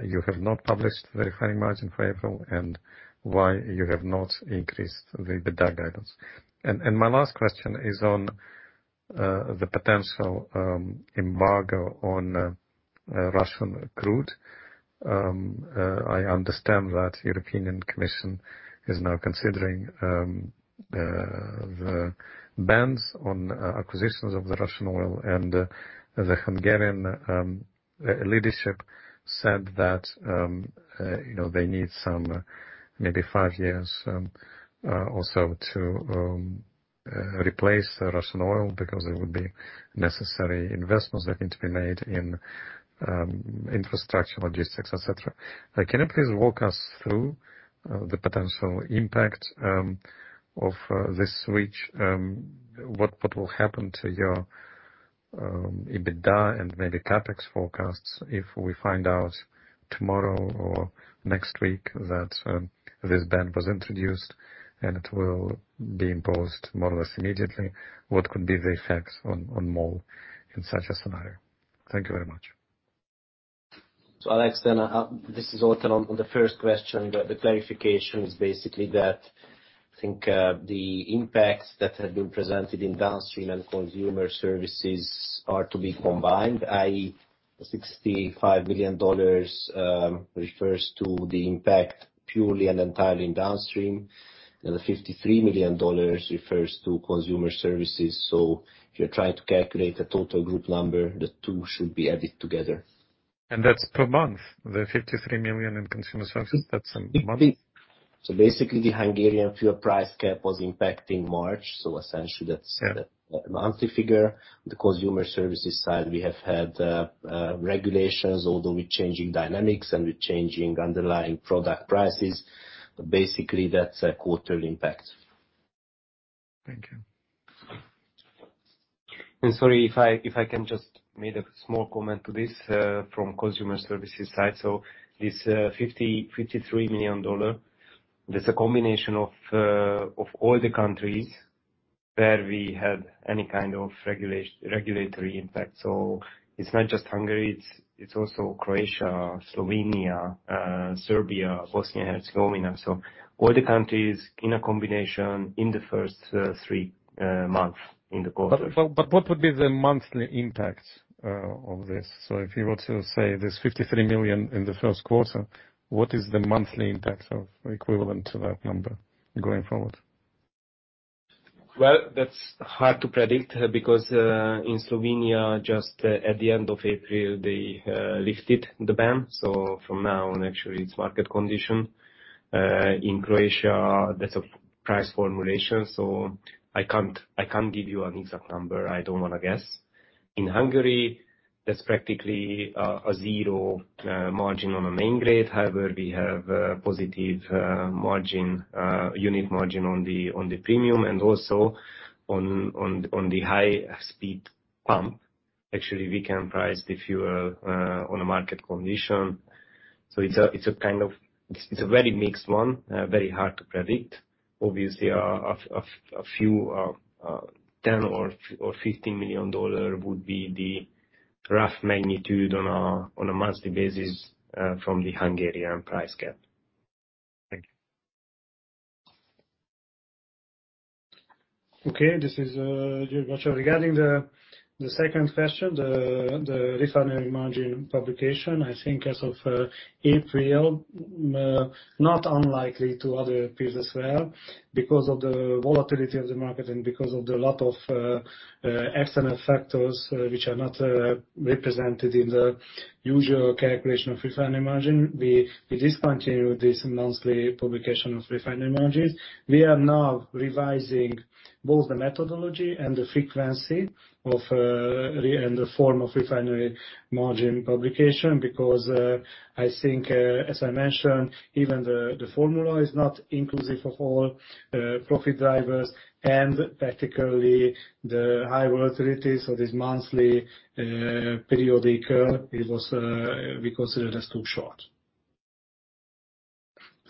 [SPEAKER 8] you have not published the refining margin for April and why you have not increased the EBITDA guidance? My last question is on the potential embargo on Russian crude. I understand that the European Commission is now considering the bans on acquisitions of the Russian oil and the Hungarian leadership said that, you know, they need some, maybe five years also to replace Russian oil because it would be necessary investments that need to be made in infrastructure, logistics, et cetera. Can you please walk us through the potential impact of this switch? What will happen to your EBITDA and maybe CapEx forecasts if we find out tomorrow or next week that this ban was introduced and it will be imposed more or less immediately? What could be the effects on MOL in such a scenario? Thank you very much.
[SPEAKER 1] Alex, this is Zsolt. On the first question, clarification is basically that I think the impacts that have been presented in Downstream and Consumer Services are to be combined, i.e., $65 million refers to the impact purely and entirely in Downstream. The $53 million refers to Consumer Services. If you're trying to calculate the total group number, the two should be added together.
[SPEAKER 8] That's per month, the 53 million in consumer services, that's a month?
[SPEAKER 1] Basically, the Hungarian fuel price cap had an impact in March, essentially that's. The monthly figure. The consumer services side, we have had regulations, although with changing dynamics and with changing underlying product prices. Basically, that's a quarterly impact.
[SPEAKER 8] Thank you.
[SPEAKER 5] Sorry, if I can just make a small comment to this, from Consumer Services side. This $53 million, that's a combination of all the countries where we had any kind of regulatory impact. It's not just Hungary, it's also Croatia, Slovenia, Serbia, Bosnia, Herzegovina. All the countries in a combination in the first three months of the quarter.
[SPEAKER 8] What would be the monthly impact of this? If you were to say there's 53 million in the Q1, what is the monthly impact equivalent to that number going forward?
[SPEAKER 5] Well, that's hard to predict because in Slovenia, just at the end of April, they lifted the ban. From now on, actually, it's market condition. In Croatia, that's a price formulation, so I can't give you an exact number. I don't wanna guess. In Hungary, that's practically a zero margin on a main grade. However, we have a positive unit margin on the premium and also on the high-speed pump. Actually, we can price the fuel on a market condition. It's a kind of very mixed one, very hard to predict. Obviously, $10 million or $15 million would be the rough magnitude on a monthly basis from the Hungarian price cap.
[SPEAKER 8] Thank you.
[SPEAKER 2] Okay, this is György Bacsa. Regarding the second question, the refinery margin publication, I think as of April, most not unlike other peers as well because of the volatility of the market and because of a lot of external factors which are not represented in the usual calculation of refinery margin. We discontinued this monthly publication of refinery margins. We are now revising both the methodology and the frequency of reporting and the form of refinery margin publication because I think, as I mentioned, even the formula is not inclusive of all profit drivers and practically the high volatility. This monthly periodic, we consider it as too short.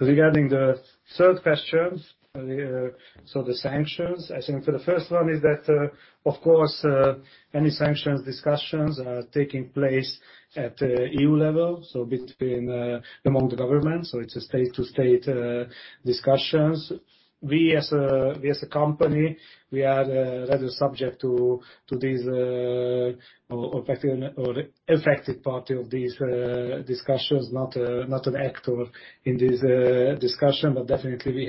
[SPEAKER 2] Regarding the third question, the sanctions, I think the first one is that, of course, any sanctions discussions are taking place at the EU level, between among the governments. It's a state-to-state discussions. We as a company are rather subject to this affected party of these discussions, not an actor in this discussion. Definitely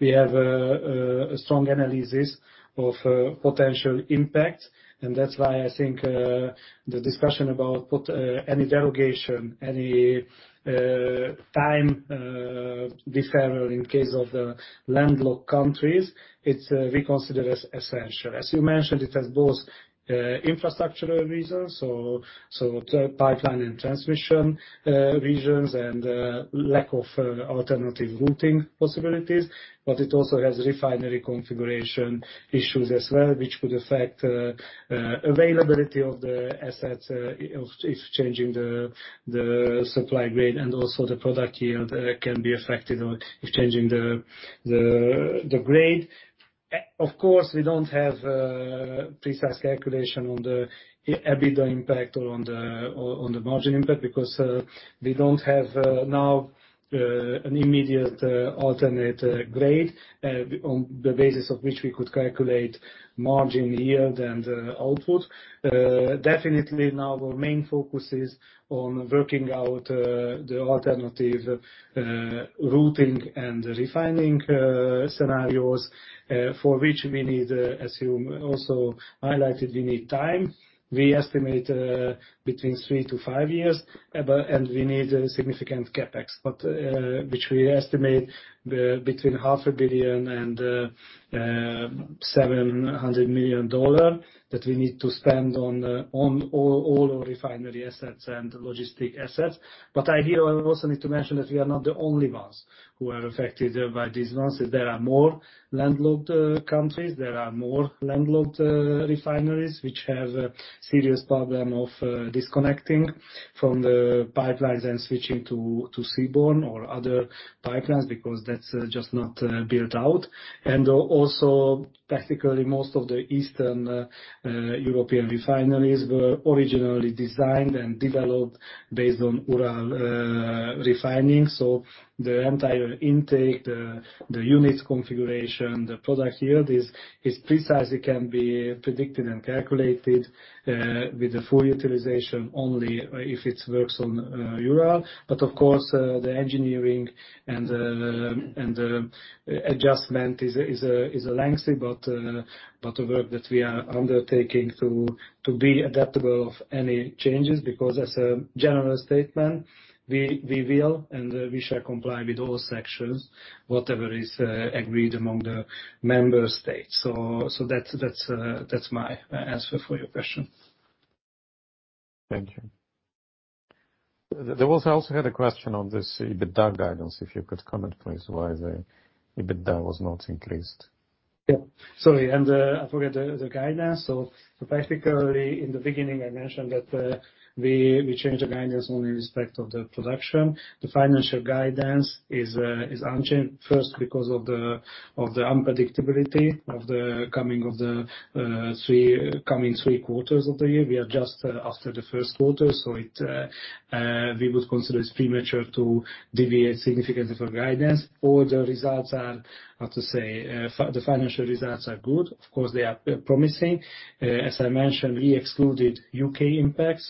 [SPEAKER 2] we have a strong analysis of potential impact. That's why I think the discussion about any derogation, any time deferral in case of the landlocked countries, we consider as essential. As you mentioned, it has both infrastructural reasons, pipeline and transmission reasons and lack of alternative routing possibilities. It also has refinery configuration issues as well, which could affect availability of the assets, if changing the supply grade and also the product yield can be affected or if changing the grade. Of course, we don't have precise calculation on the EBITDA impact or on the margin impact because we don't have now an immediate alternate grade on the basis of which we could calculate margin yield and output. Definitely now our main focus is on working out the alternative routing and refining scenarios, for which we need, as you also highlighted, we need time. We estimate between 3-5 years, but we need a significant CapEx, which we estimate between half a billion and $700 million dollars that we need to spend on all our refinery assets and logistic assets. I here also need to mention that we are not the only ones who are affected by this one. There are more landlocked countries. There are more landlocked refineries which have a serious problem of disconnecting from the pipelines and switching to seaborne or other pipelines because that's just not built out. Also, practically, most of the Eastern European refineries were originally designed and developed based on Urals refining. The entire intake, the unit configuration, the product yield is precisely can be predicted and calculated with the full utilization only if it works on Urals. Of course, the engineering and adjustment is a lengthy but a work that we are undertaking to be adaptable of any changes. Because as a general statement, we will and we shall comply with all sanctions, whatever is agreed among the member states. That's my answer for your question.
[SPEAKER 8] Thank you. There was also a question on this EBITDA guidance, if you could comment please why the EBITDA was not increased.
[SPEAKER 2] Yeah. Sorry, I forgot the guidance. Practically in the beginning, I mentioned that we changed the guidance only in respect of the production. The financial guidance is unchanged, first because of the unpredictability of the coming three quarters of the year. We are just after the Q1, we would consider it's premature to deviate significantly from guidance. All the results are, how to say, the financial results are good. Of course, they are promising. As I mentioned, we excluded UK impact,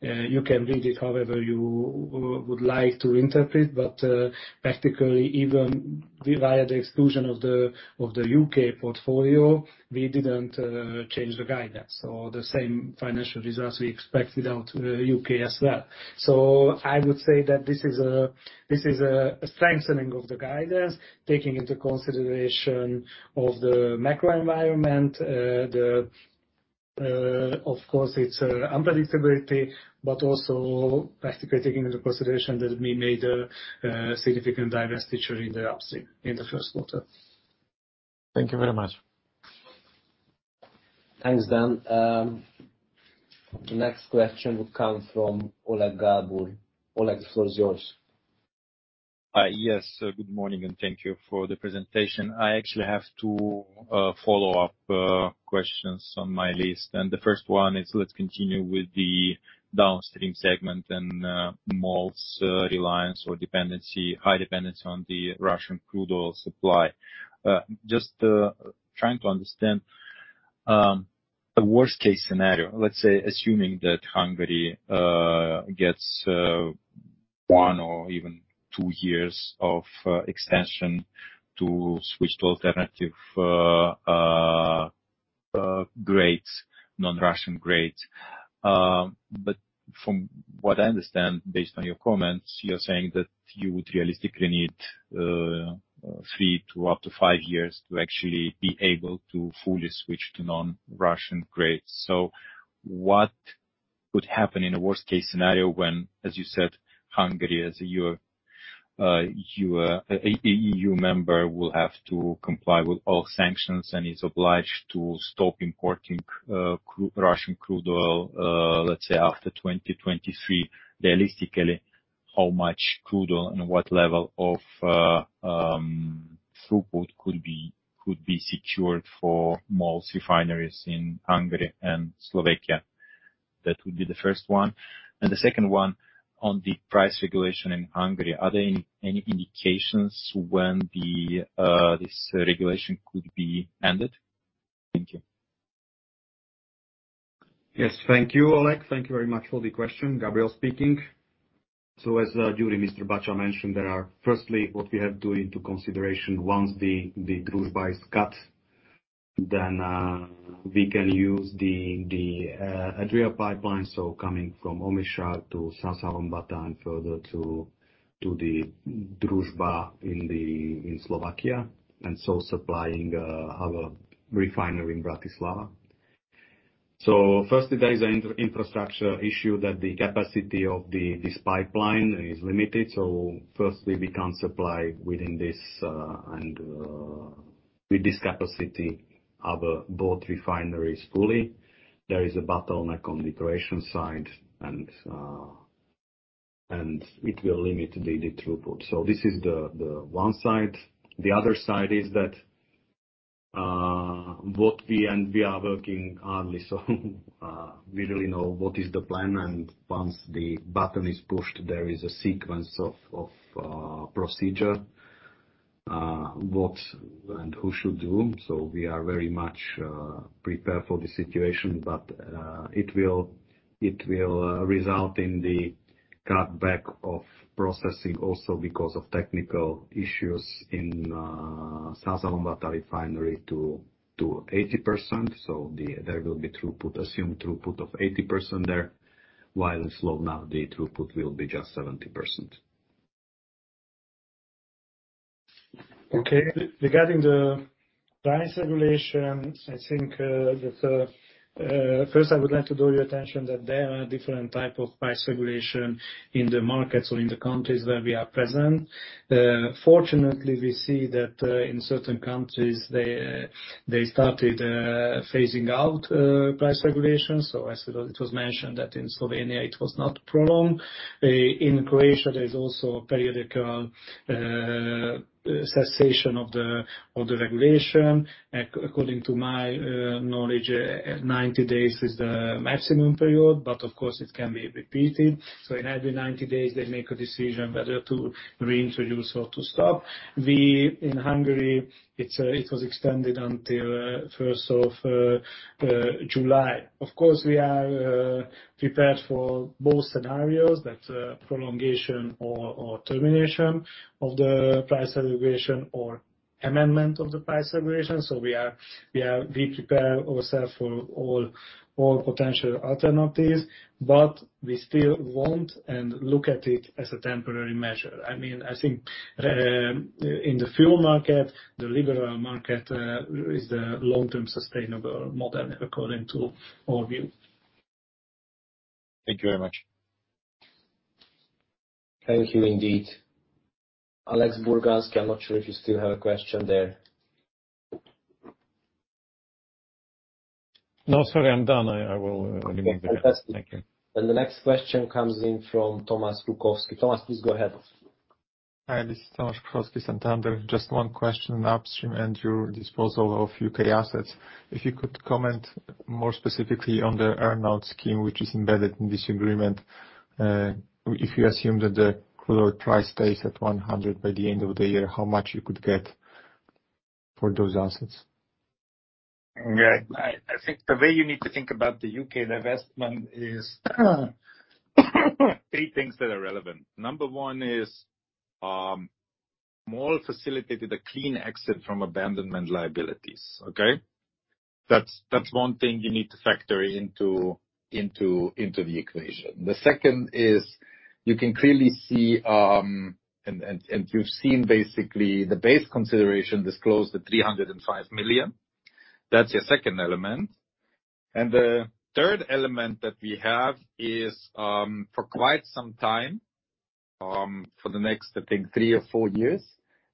[SPEAKER 2] you can read it however you would like to interpret. Practically, even via the exclusion of the UK portfolio, we didn't change the guidance. The same financial results we expect without UK as well. I would say that this is a strengthening of the guidance, taking into consideration of the macro environment. Of course, it's unpredictability, but also practically taking into consideration that we made a significant divestiture in the upstream in the Q1.
[SPEAKER 8] Thank you very much.
[SPEAKER 1] Thanks, Dan. The next question would come from Oleg Galbur. Oleg, the floor is yours.
[SPEAKER 9] Hi. Yes, good morning, and thank you for the presentation. I actually have 2 follow-up questions on my list. The first one is, let's continue with the downstream segment and MOL's reliance or dependency, high dependency on the Russian crude oil supply. Just trying to understand the worst case scenario, let's say assuming that Hungary gets 1 or even 2 years of extension to switch to alternative grades, non-Russian grades. But from what I understand, based on your comments, you're saying that you would realistically need 3 to up to 5 years to actually be able to fully switch to non-Russian grades. What would happen in a worst case scenario when, as you said, Hungary as a euro, EU, a EU member will have to comply with all sanctions and is obliged to stop importing Russian crude oil, let's say after 2023. Realistically, how much crude oil and what level of throughput could be secured for MOL's refineries in Hungary and Slovakia? That would be the first one. The second one on the price regulation in Hungary, are there any indications when this regulation could be ended? Thank you.
[SPEAKER 4] Yes. Thank you, Oleg. Thank you very much for the question. Gabriel Szabó speaking. As Mr. Bacsa mentioned, there are firstly what we have to take into consideration once the Druzhba is cut, then we can use the Adria pipeline, so coming from Omišalj to Százhalombatta and further to the Druzhba in Slovakia, and so supplying our refinery in Bratislava. Firstly, there is an infrastructure issue that the capacity of this pipeline is limited. Firstly, we can supply within this and with this capacity our both refineries fully. There is a bottleneck on the Croatian side, and it will limit the throughput. This is the one side. The other side is that what we are working hard so we really know what is the plan and once the button is pushed there is a sequence of procedure what and who should do. We are very much prepared for the situation, but it will result in the cutback of processing also because of technical issues in Százhalombatta refinery to 80%. There will be assumed throughput of 80% there, while in Slovnaft the throughput will be just 70%.
[SPEAKER 2] Okay. Regarding the price regulation, I think that first I would like to draw your attention that there are different type of price regulation in the markets or in the countries where we are present. Fortunately, we see that in certain countries, they started phasing out price regulations. As it was mentioned that in Slovenia it was not prolonged. In Croatia, there's also a periodical cessation of the regulation. According to my knowledge, 90 days is the maximum period, but of course it can be repeated. In every 90 days, they make a decision whether to reintroduce or to stop. In Hungary, it was extended until first of July. Of course, we are prepared for both scenarios. That's prolongation or termination of the price regulation or amendment of the price regulation. We prepare ourselves for all potential alternatives, but we still want and look at it as a temporary measure. I mean, I think, in the fuel market, the liberal market is the long-term sustainable model according to our view.
[SPEAKER 9] Thank you very much.
[SPEAKER 4] Thank you, indeed. Alex Buganski, I'm not sure if you still have a question there.
[SPEAKER 8] No. Sorry, I'm done. I will remove the hand. Thank you.
[SPEAKER 4] Okay. Fantastic. The next question comes in from Tamas Pletser. Tamas, please go ahead.
[SPEAKER 10] Hi, this is Tamas Pletser, Erste. Just one question on upstream and your disposal of UK assets. If you could comment more specifically on the earn-out scheme which is embedded in this agreement. If you assume that the crude oil price stays at $100 by the end of the year, how much you could get for those assets?
[SPEAKER 4] I think the way you need to think about the UK divestment is three things that are relevant. Number one is MOL facilitated a clean exit from abandonment liabilities. That's one thing you need to factor into the equation. The second is, you can clearly see and you've seen basically the base consideration disclosed at $305 million. That's your second element. The third element that we have is, for quite some time, for the next, I think three or four years,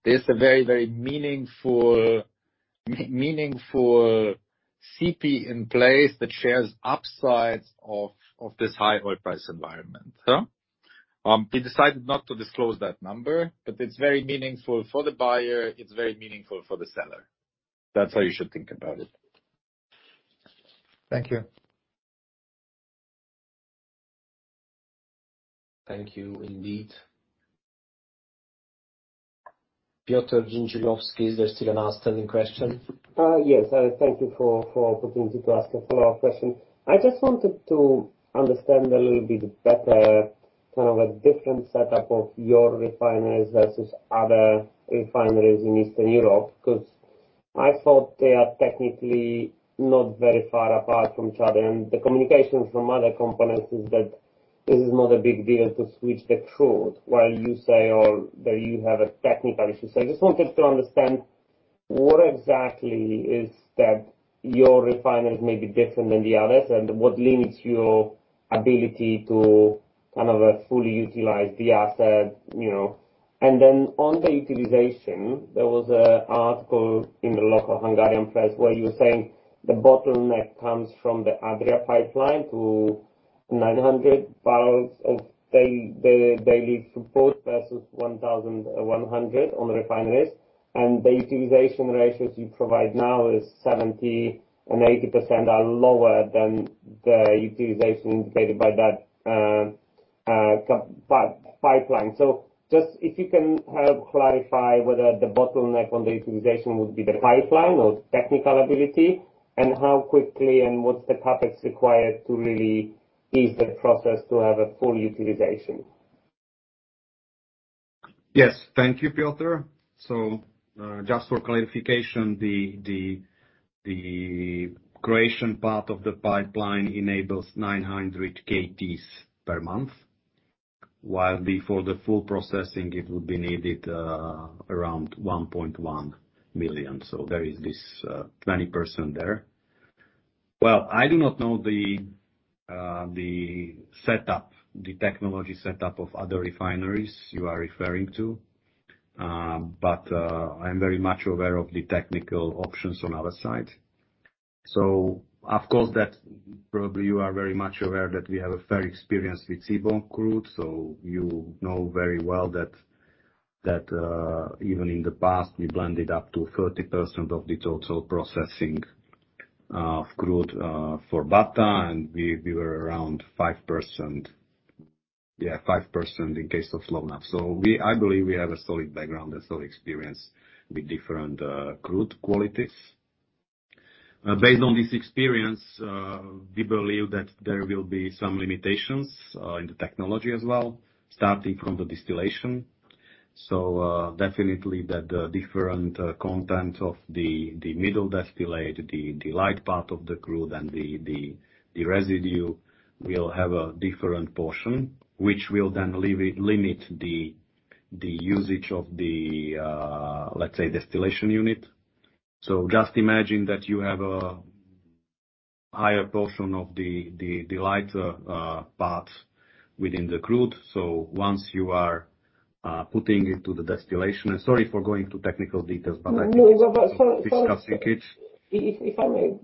[SPEAKER 4] there's a very meaningful CP in place that shares upsides of this high oil price environment. We decided not to disclose that number, but it's very meaningful for the buyer, it's very meaningful for the seller. That's how you should think about it.
[SPEAKER 10] Thank you.
[SPEAKER 4] Thank you, indeed. Piotr Dzieciolowski, is there still an outstanding question?
[SPEAKER 7] Yes. Thank you for opportunity to ask a follow-up question. I just wanted to understand a little bit better, kind of a different setup of your refineries versus other refineries in Eastern Europe. 'Cause I thought they are technically not very far apart from each other, and the communication from other competitors is that this is not a big deal to switch the crude, while you say, or that you have a technical issue. I just wanted to understand what exactly is that your refineries may be different than the others, and what limits your ability to kind of, fully utilize the asset, you know? Then on the utilization, there was an article in the local Hungarian press where you were saying the bottleneck comes from the Adria pipeline to 900 barrels of daily throughput versus 1,100 on refineries? The utilization ratios you provide now is 70% and 80% are lower than the utilization indicated by that Adria pipeline. Just if you can help clarify whether the bottleneck on the utilization would be the pipeline or technical ability, and how quickly and what's the CapEx required to really ease the process to have a full utilization?
[SPEAKER 4] Yes. Thank you, Piotr. Just for clarification, the Croatian part of the pipeline enables 900 kt per month, while before the full processing, it would be needed around 1.1 million. There is this 20% there. Well, I do not know the setup, the technology setup of other refineries you are referring to. I'm very much aware of the technical options on our side. Of course, that probably you are very much aware that we have a fair experience with seaborne crude, so you know very well that even in the past we blended up to 30% of the total processing of crude for Százhalombatta, and we were around 5% in case of Slovnaft. I believe we have a solid background and solid experience with different crude qualities. Based on this experience, we believe that there will be some limitations in the technology as well, starting from the distillation. Definitely that the different content of the middle distillate, the light part of the crude and the residue will have a different portion, which will then limit the usage of the, let's say, distillation unit. Just imagine that you have a higher portion of the lighter part within the crude. Once you are putting into the distillation. Sorry for going to technical details, but I think it's worth discussing it.
[SPEAKER 7] If I may.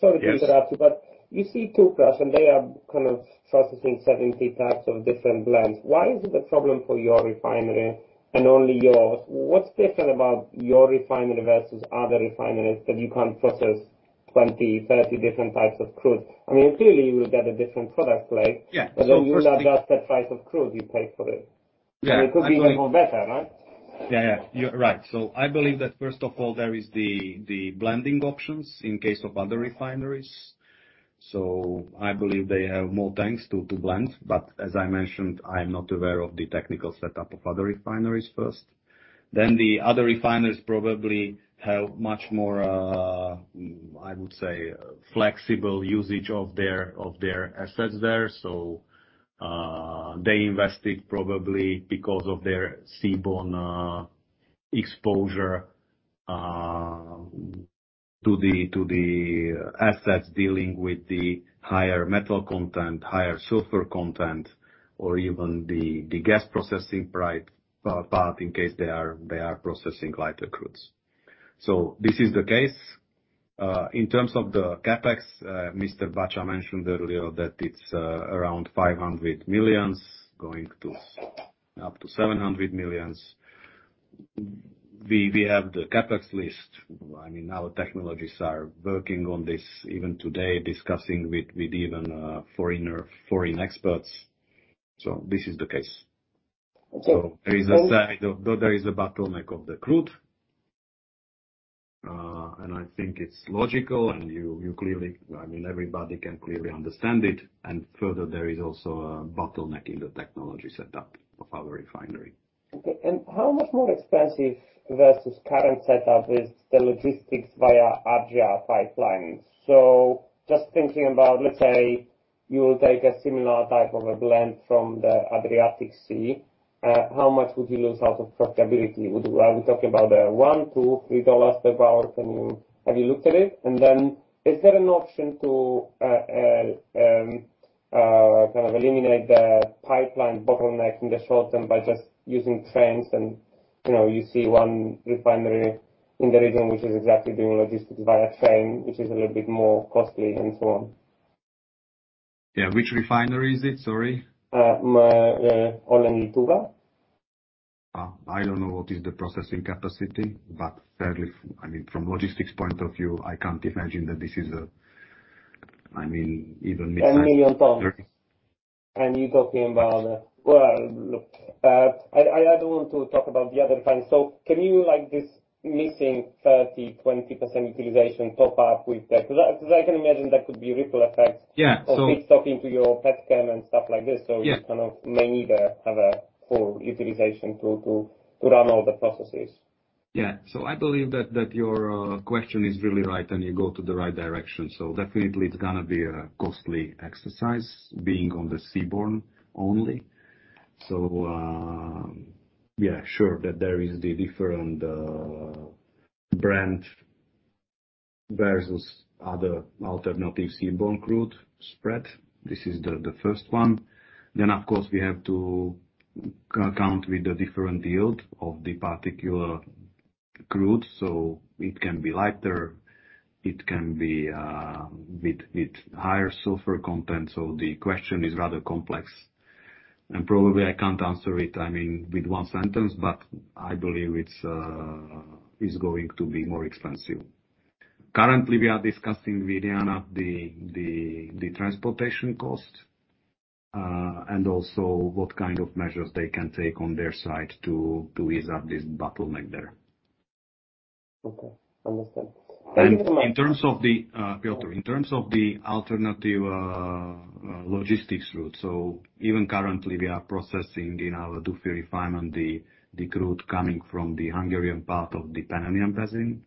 [SPEAKER 7] Sorry to interrupt you.
[SPEAKER 4] Yes.
[SPEAKER 7] You see Tüpraş, and they are kind of processing 70 types of different blends. Why is it a problem for your refinery and only yours? What's different about your refinery versus other refineries that you can't process 20, 30 different types of crude? I mean, clearly you will get a different product, right?
[SPEAKER 4] Yeah. First thing.
[SPEAKER 7] You would adjust the price of crude you pay for it.
[SPEAKER 4] Yeah. I know.
[SPEAKER 7] It could be even more better, right?
[SPEAKER 4] Yeah, yeah. You're right. I believe that first of all, there is the blending options in case of other refineries. I believe they have more tanks to blend. As I mentioned, I'm not aware of the technical setup of other refineries first. The other refineries probably have much more, I would say, flexible usage of their assets there. They invested probably because of their seaborne exposure to the assets dealing with the higher metal content, higher sulfur content, or even the gas processing part, in case they are processing lighter crudes. This is the case. In terms of the CapEx, György Bacsa mentioned earlier that it's around 500 million going up to 700 million. We have the CapEx list. I mean, our technologists are working on this even today, discussing with even foreign experts. So this is the case.
[SPEAKER 7] Okay.
[SPEAKER 4] There is a bottleneck of the crude. I think it's logical, and you clearly, I mean, everybody can clearly understand it. Further, there is also a bottleneck in the technology setup of our refinery.
[SPEAKER 7] Okay. How much more expensive versus current setup is the logistics via Adria pipeline? Just thinking about, let's say, you take a similar type of a blend from the Adriatic Sea, how much would you lose out of profitability? Are we talking about $1, $2, $3 per barrel? Can you? Have you looked at it? Is there an option to kind of eliminate the pipeline bottleneck in the short term by just using trains? You know, you see one refinery in the region which is exactly doing logistics via train, which is a little bit more costly and so on.
[SPEAKER 4] Yeah. Which refinery is it? Sorry.
[SPEAKER 7] ORLEN Lietuva.
[SPEAKER 4] I don't know what is the processing capacity, but fairly, I mean, from logistics point of view, I can't imagine that this is a, I mean, even.
[SPEAKER 7] Maybe on top. You're talking about. Well, look, I don't want to talk about the other side. Can you like this missing 30%-20% utilization top up with that? Because I can imagine that could be ripple effect.
[SPEAKER 4] Yeah, so
[SPEAKER 7] Of it talking to your petchem and stuff like this.
[SPEAKER 4] Yeah.
[SPEAKER 7] You kind of may need to have a full utilization to run all the processes.
[SPEAKER 4] Yeah. I believe that your question is really right and you go to the right direction. Definitely it's gonna be a costly exercise being on the seaborne only. Yeah, sure that there is the different Brent versus other alternative seaborne crude spread. This is the first one. Then, of course, we have to count with the different yield of the particular crude, so it can be lighter, it can be with higher sulfur content. The question is rather complex, and probably I can't answer it, I mean, with one sentence, but I believe it is going to be more expensive. Currently, we are discussing with ORLEN the transportation cost, and also what kind of measures they can take on their side to ease up this bottleneck there.
[SPEAKER 7] Okay. Understood.
[SPEAKER 4] In terms of the filter, in terms of the alternative logistics route, even currently we are processing in our Duna refinery the crude coming from the Hungarian part of the Pannonian Basin.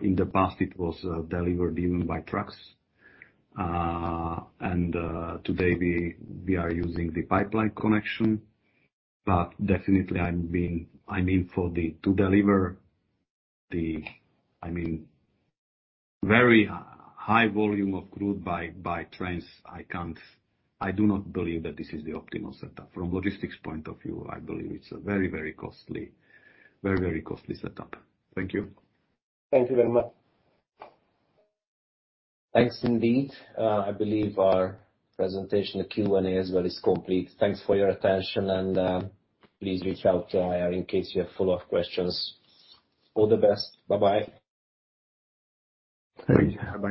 [SPEAKER 4] In the past it was delivered even by trucks. Today we are using the pipeline connection. But definitely, I mean, to deliver the, I mean, very high volume of crude by trains, I do not believe that this is the optimal setup. From logistics point of view, I believe it's a very, very costly, very, very costly setup. Thank you.
[SPEAKER 7] Thank you very much.
[SPEAKER 1] Thanks indeed. I believe our presentation, the Q&A as well is complete. Thanks for your attention and, please reach out to IR in case you have follow-up questions. All the best. Bye-bye.
[SPEAKER 7] Bye. Bye-bye.